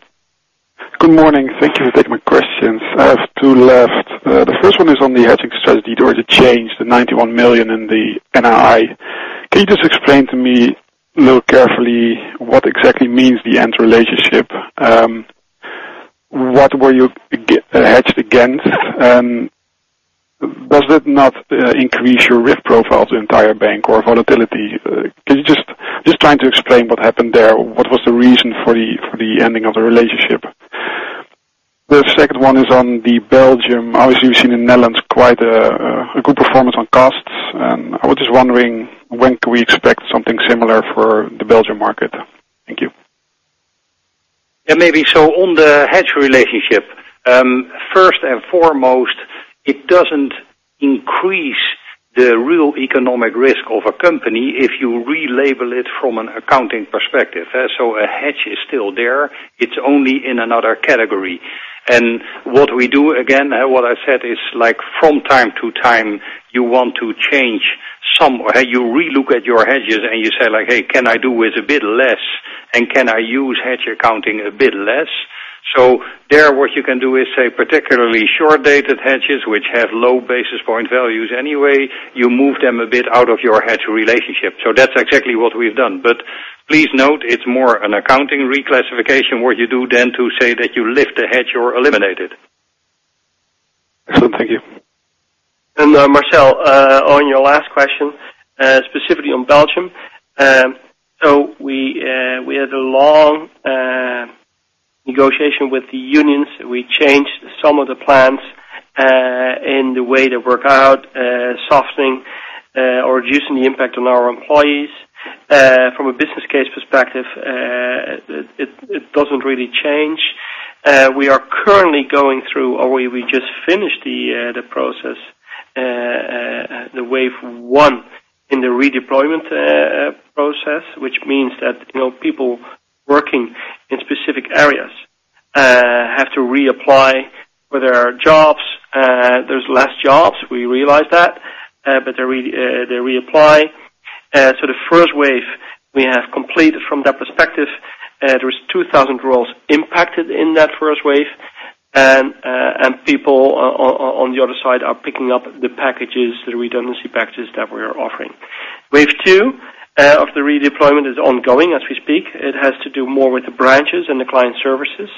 Good morning. Thank you for taking my questions. I have two left. The first one is on the hedging strategy. There was a change, the 91 million in the NII. Can you just explain to me a little carefully what exactly means the end relationship? What were you hedged against? Does that not increase your risk profile to the entire bank or volatility? Just trying to explain what happened there. What was the reason for the ending of the relationship? The second one is on Belgium. Obviously, we've seen in Netherlands quite a good performance on costs. I was just wondering, when can we expect something similar for the Belgium market? Thank you. Yeah, maybe. On the hedge relationship. First and foremost, it doesn't increase the real economic risk of a company if you relabel it from an accounting perspective. A hedge is still there. It's only in another category. What we do, again, what I said is from time to time, you want to re-look at your hedges, and you say, "Hey, can I do with a bit less, and can I use hedge accounting a bit less?" There, what you can do is, say, particularly short-dated hedges, which have low basis point values anyway, you move them a bit out of your hedge relationship. That's exactly what we've done. Please note it's more an accounting reclassification, what you do then to say that you lift the hedge or eliminate it. Excellent. Thank you. Marcell, on your last question, specifically on Belgium. We had a long negotiation with the unions. We changed some of the plans in the way they work out, softening or reducing the impact on our employees. From a business case perspective, it doesn't really change. We are currently going through, or we just finished the process, the wave 1 in the redeployment process, which means that people working in specific areas have to reapply for their jobs. There's less jobs, we realize that, but they reapply. The first wave we have completed from that perspective. There is 2,000 roles impacted in that first wave, and people on the other side are picking up the packages, the redundancy packages that we are offering. Wave 2 of the redeployment is ongoing as we speak. It has to do more with the branches and the client services.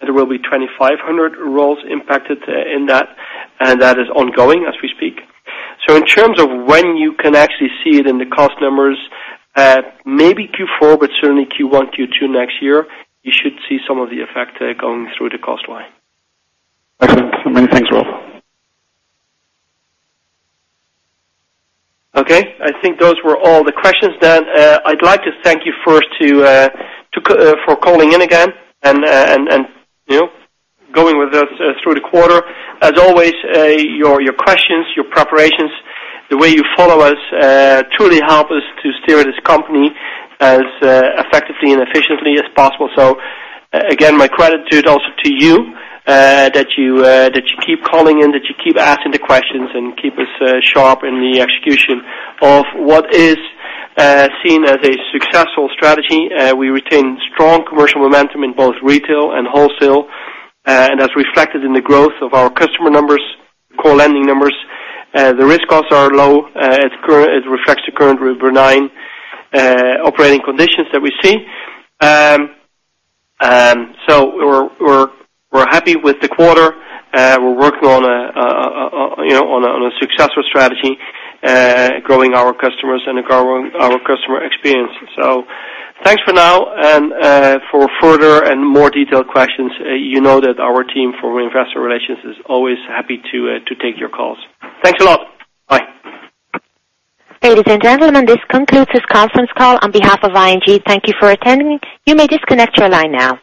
There will be 2,500 roles impacted in that, and that is ongoing as we speak. In terms of when you can actually see it in the cost numbers, maybe Q4, but certainly Q1, Q2 next year, you should see some of the effect going through the cost line. Excellent. Many thanks, Ralph. I think those were all the questions. I'd like to thank you first for calling in again and going with us through the quarter. As always, your questions, your preparations, the way you follow us truly help us to steer this company as effectively and efficiently as possible. Again, my gratitude also to you that you keep calling in, that you keep asking the questions and keep us sharp in the execution of what is seen as a successful strategy. We retain strong commercial momentum in both retail and wholesale. As reflected in the growth of our customer numbers, core lending numbers. The risk costs are low. It reflects the current benign operating conditions that we see. We're happy with the quarter. We're working on a successful strategy, growing our customers and growing our customer experience. Thanks for now. For further and more detailed questions, you know that our team for investor relations is always happy to take your calls. Thanks a lot. Bye. Ladies and gentlemen, this concludes this conference call. On behalf of ING, thank you for attending. You may disconnect your line now.